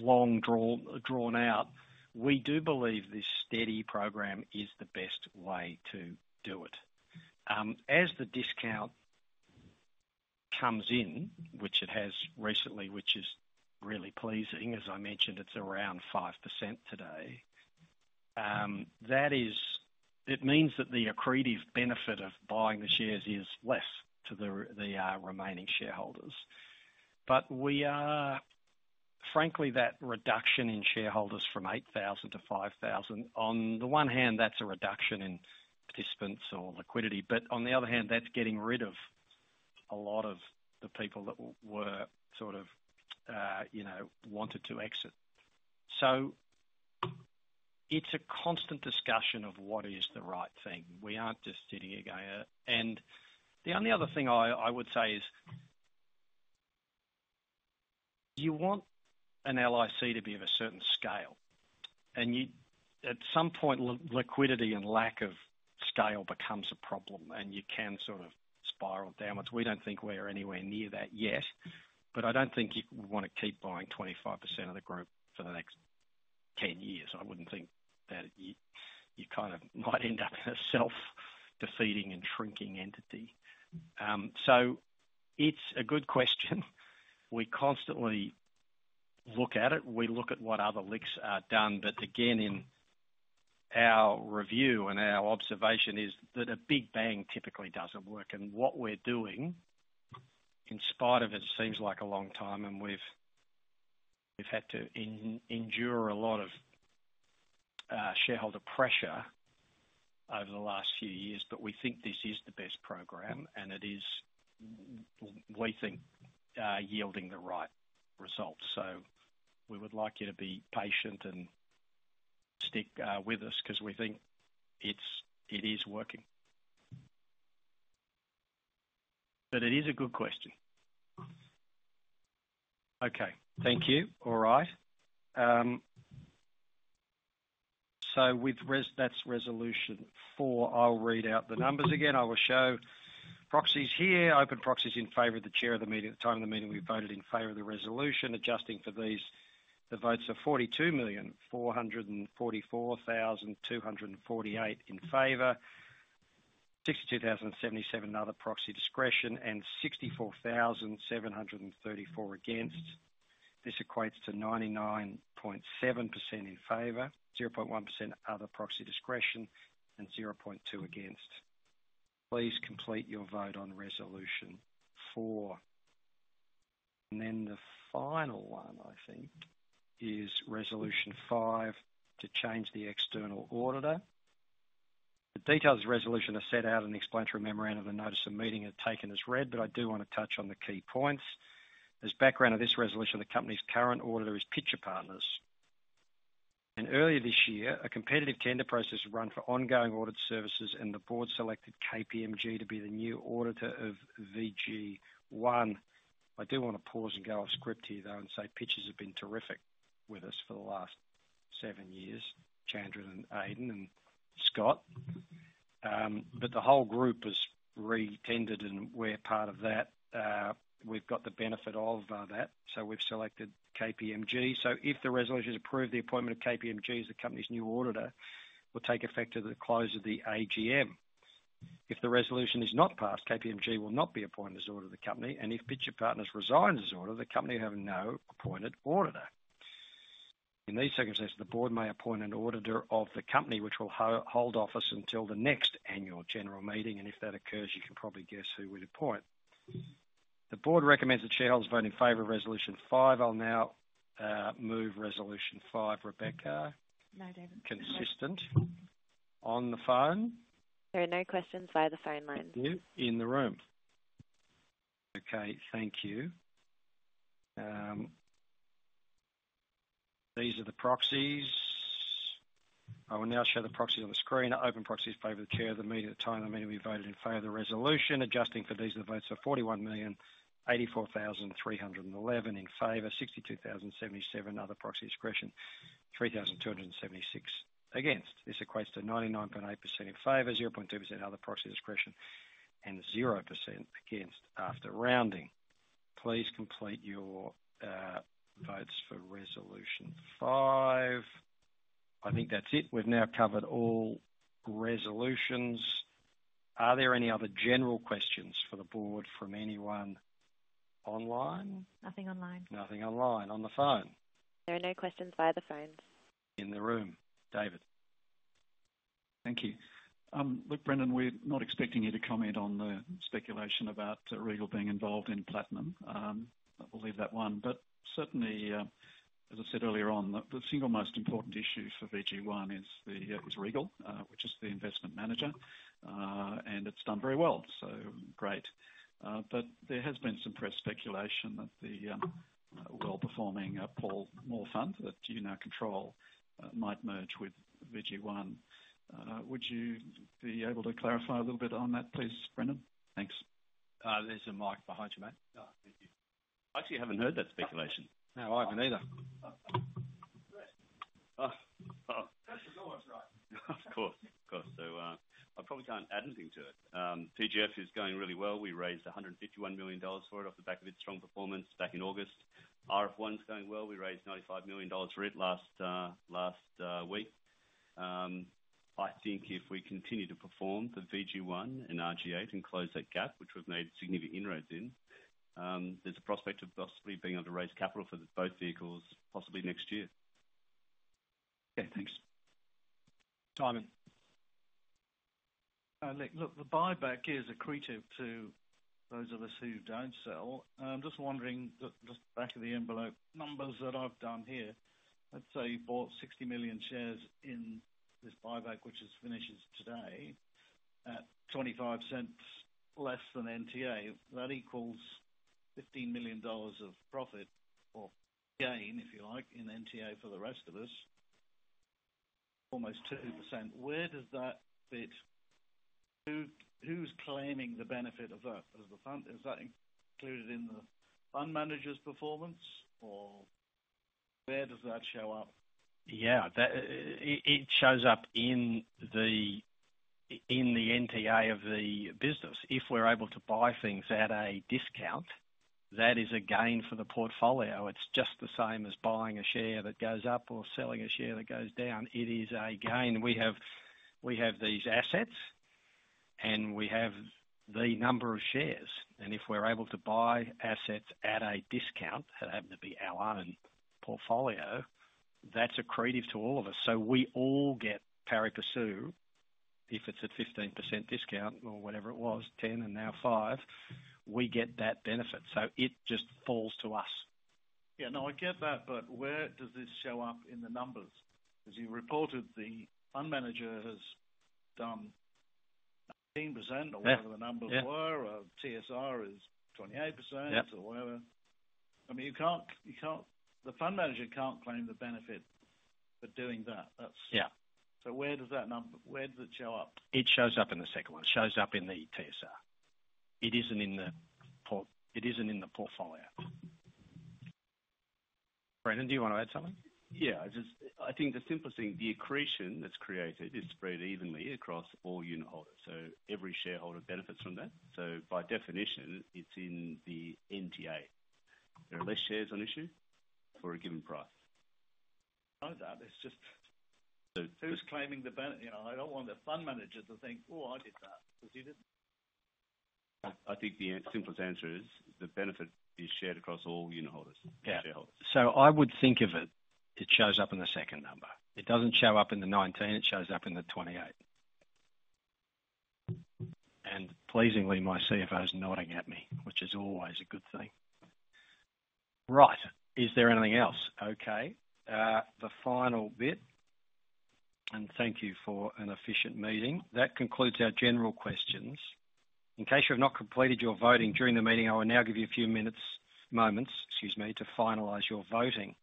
long drawn out, we do believe this steady program is the best way to do it. As the discount comes in, which it has recently, which is really pleasing, as I mentioned, it's around 5% today. That means that the accretive benefit of buying the shares is less to the remaining shareholders. But frankly, that reduction in shareholders from 8,000 to 5,000, on the one hand, that's a reduction in participants or liquidity. But on the other hand, that's getting rid of a lot of the people that were sort of wanted to exit. So it's a constant discussion of what is the right thing. We aren't just sitting here going and the only other thing I would say is you want an LIC to be of a certain scale. And at some point, liquidity and lack of scale becomes a problem, and you can sort of spiral downwards. We don't think we're anywhere near that yet. But I don't think you want to keep buying 25% of the group for the next 10 years. I wouldn't think that you kind of might end up in a self-defeating and shrinking entity. So it's a good question. We constantly look at it. We look at what other LICs are done. But again, in our review and our observation is that a big bang typically doesn't work. And what we're doing, in spite of it seems like a long time, and we've had to endure a lot of shareholder pressure over the last few years, but we think this is the best program, and it is, we think, yielding the right results. So we would like you to be patient and stick with us because we think it is working. But it is a good question. Okay. Thank you. All right. So that's resolution four. I'll read out the numbers again. I will show proxies here. Open proxies in favor of the chair of the meeting. At the time of the meeting, we voted in favor of the resolution. Adjusting for these, the votes are 42,444,248 in favor, 62,077 other proxy discretion, and 64,734 against. This equates to 99.7% in favor, 0.1% other proxy discretion, and 0.2% against. Please complete your vote on resolution four, and then the final one, I think, is resolution five to change the external auditor. The details of the resolution are set out in the explanatory memorandum of the notice of meeting and taken as read, but I do want to touch on the key points. As background of this resolution, the company's current auditor is Pitcher Partners. And earlier this year, a competitive tender process was run for ongoing audit services, and the board selected KPMG to be the new auditor of VG1. I do want to pause and go off script here, though, and say Pitchers have been terrific with us for the last seven years, Chandran, and Aidan, and Scott. But the whole group has re-tendered, and we're part of that. We've got the benefit of that. We've selected KPMG. If the resolution is approved, the appointment of KPMG as the company's new auditor will take effect at the close of the AGM. If the resolution is not passed, KPMG will not be appointed as auditor of the company. If Pitcher Partners resigns as auditor, the company will have no appointed auditor. In these circumstances, the board may appoint an auditor of the company, which will hold office until the next annual general meeting. If that occurs, you can probably guess who we'd appoint. The board recommends that shareholders vote in favor of resolution five. I'll now move resolution five. Rebecca? No, David. Questions on the phone? There are no questions via the phone lines. Thank you. In the room. Okay. Thank you. These are the proxies. I will now show the proxies on the screen. Open proxies in favor of the chair of the meeting. At the time of the meeting, we voted in favor of the resolution. Adjusting for these, the votes are 41,084,311 in favor, 62,077 other proxy discretion, 3,276 against. This equates to 99.8% in favor, 0.2% other proxy discretion, and 0% against after rounding. Please complete your votes for resolution five. I think that's it. We've now covered all resolutions. Are there any other general questions for the board from anyone online? Nothing online. Nothing online. On the phone? There are no questions via the phone. In the room, David. Thank you. Look, Brendan, we're not expecting you to comment on the speculation about Regal being involved in Platinum. I'll leave that one. But certainly, as I said earlier on, the single most important issue for VG1 is Regal, which is the investment manager. And it's done very well. So great. But there has been some press speculation that the well-performing Paul Moore Fund that you now control might merge with VG1. Would you be able to clarify a little bit on that, please, Brendan? Thanks. There's a mic behind you, mate. Thank you. I actually haven't heard that speculation. No, I haven't either. Of course. Of course. So I probably can't add anything to it. PGF is going really well. We raised 151 million dollars for it off the back of its strong performance back in August. RF1 is going well. We raised 95 million dollars for it last week. I think if we continue to perform for VG1 and RG8 and close that gap, which we've made significant inroads in, there's a prospect of possibly being able to raise capital for both vehicles possibly next year. Okay. Thanks. Simon. Look, the buyback is accretive to those of us who don't sell. I'm just wondering just back of the envelope numbers that I've done here. Let's say you bought 60 million shares in this buyback, which finishes today at 0.25 less than NTA. That equals 15 million dollars of profit or gain, if you like, in NTA for the rest of us, almost 2%. Where does that fit? Who's claiming the benefit of that as the fund? Is that included in the fund manager's performance, or where does that show up? Yeah. It shows up in the NTA of the business. If we're able to buy things at a discount, that is a gain for the portfolio. It's just the same as buying a share that goes up or selling a share that goes down. It is a gain. We have these assets, and we have the number of shares. And if we're able to buy assets at a discount that happen to be our own portfolio, that's accretive to all of us. So we all get pari passu. If it's at 15% discount or whatever it was, 10% and now 5%, we get that benefit. So it just falls to us. Yeah. No, I get that. But where does this show up in the numbers? Because you reported the fund manager has done 18% or whatever the numbers were, or TSR is 28% or whatever. I mean, the fund manager can't claim the benefit for doing that. So where does that number show up? It shows up in the second one. It shows up in the TSR. It isn't in the portfolio. Brendan, do you want to add something? Yeah. I think the simplest thing, the accretion that's created is spread evenly across all unit holders. So every shareholder benefits from that. So by definition, it's in the NTA. There are less shares on issue for a given price. Know that. It's just. Who's claiming the benefit? I don't want the fund manager to think, "Oh, I did that." I think the simplest answer is the benefit is shared across all unit holders. Yeah. So I would think of it. It shows up in the second number. It doesn't show up in the 19. It shows up in the 28. And pleasingly, my CFO's nodding at me, which is always a good thing. Right. Is there anything else? Okay. The final bit. And thank you for an efficient meeting. That concludes our general questions. In case you have not completed your voting during the meeting, I will now give you a few moments, excuse me, to finalize your voting.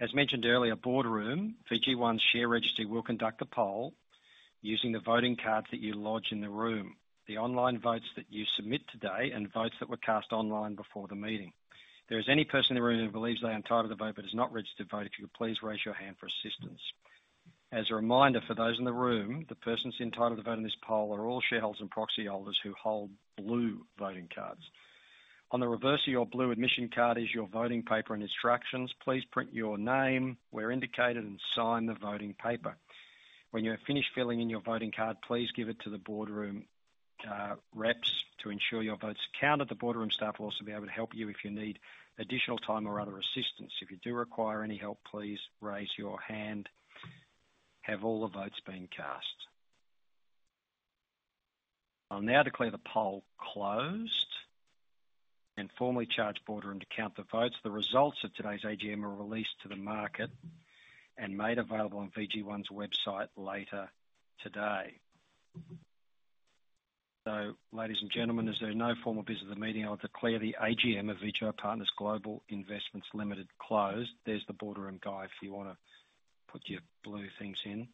As mentioned earlier, Boardroom, VG1's share registry will conduct the poll using the voting cards that you lodge in the room, the online votes that you submit today, and votes that were cast online before the meeting. If there is any person in the room who believes they are entitled to vote but is not registered to vote, if you could please raise your hand for assistance. As a reminder, for those in the room, the persons entitled to vote in this poll are all shareholders and proxy holders who hold blue voting cards. On the reverse of your blue admission card is your voting paper and instructions. Please print your name where indicated and sign the voting paper. When you're finished filling in your voting card, please give it to the boardroom reps to ensure your votes are counted. The boardroom staff will also be able to help you if you need additional time or other assistance. If you do require any help, please raise your hand. Have all the votes been cast? I'll now declare the poll closed and formally charge boardroom to count the votes. The results of today's AGM are released to the market and made available on VG1's website later today. So, ladies and gentlemen, as there's no formal business of the meeting, I'll declare the AGM of VGI Partners Global Investments Limited closed. There's the boardroom guide if you want to put your blue things in.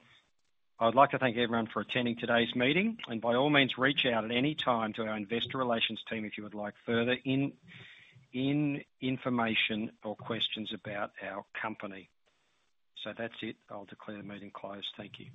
I would like to thank everyone for attending today's meeting. And by all means, reach out at any time to our investor relations team if you would like further information or questions about our company. So that's it. I'll declare the meeting closed. Thank you.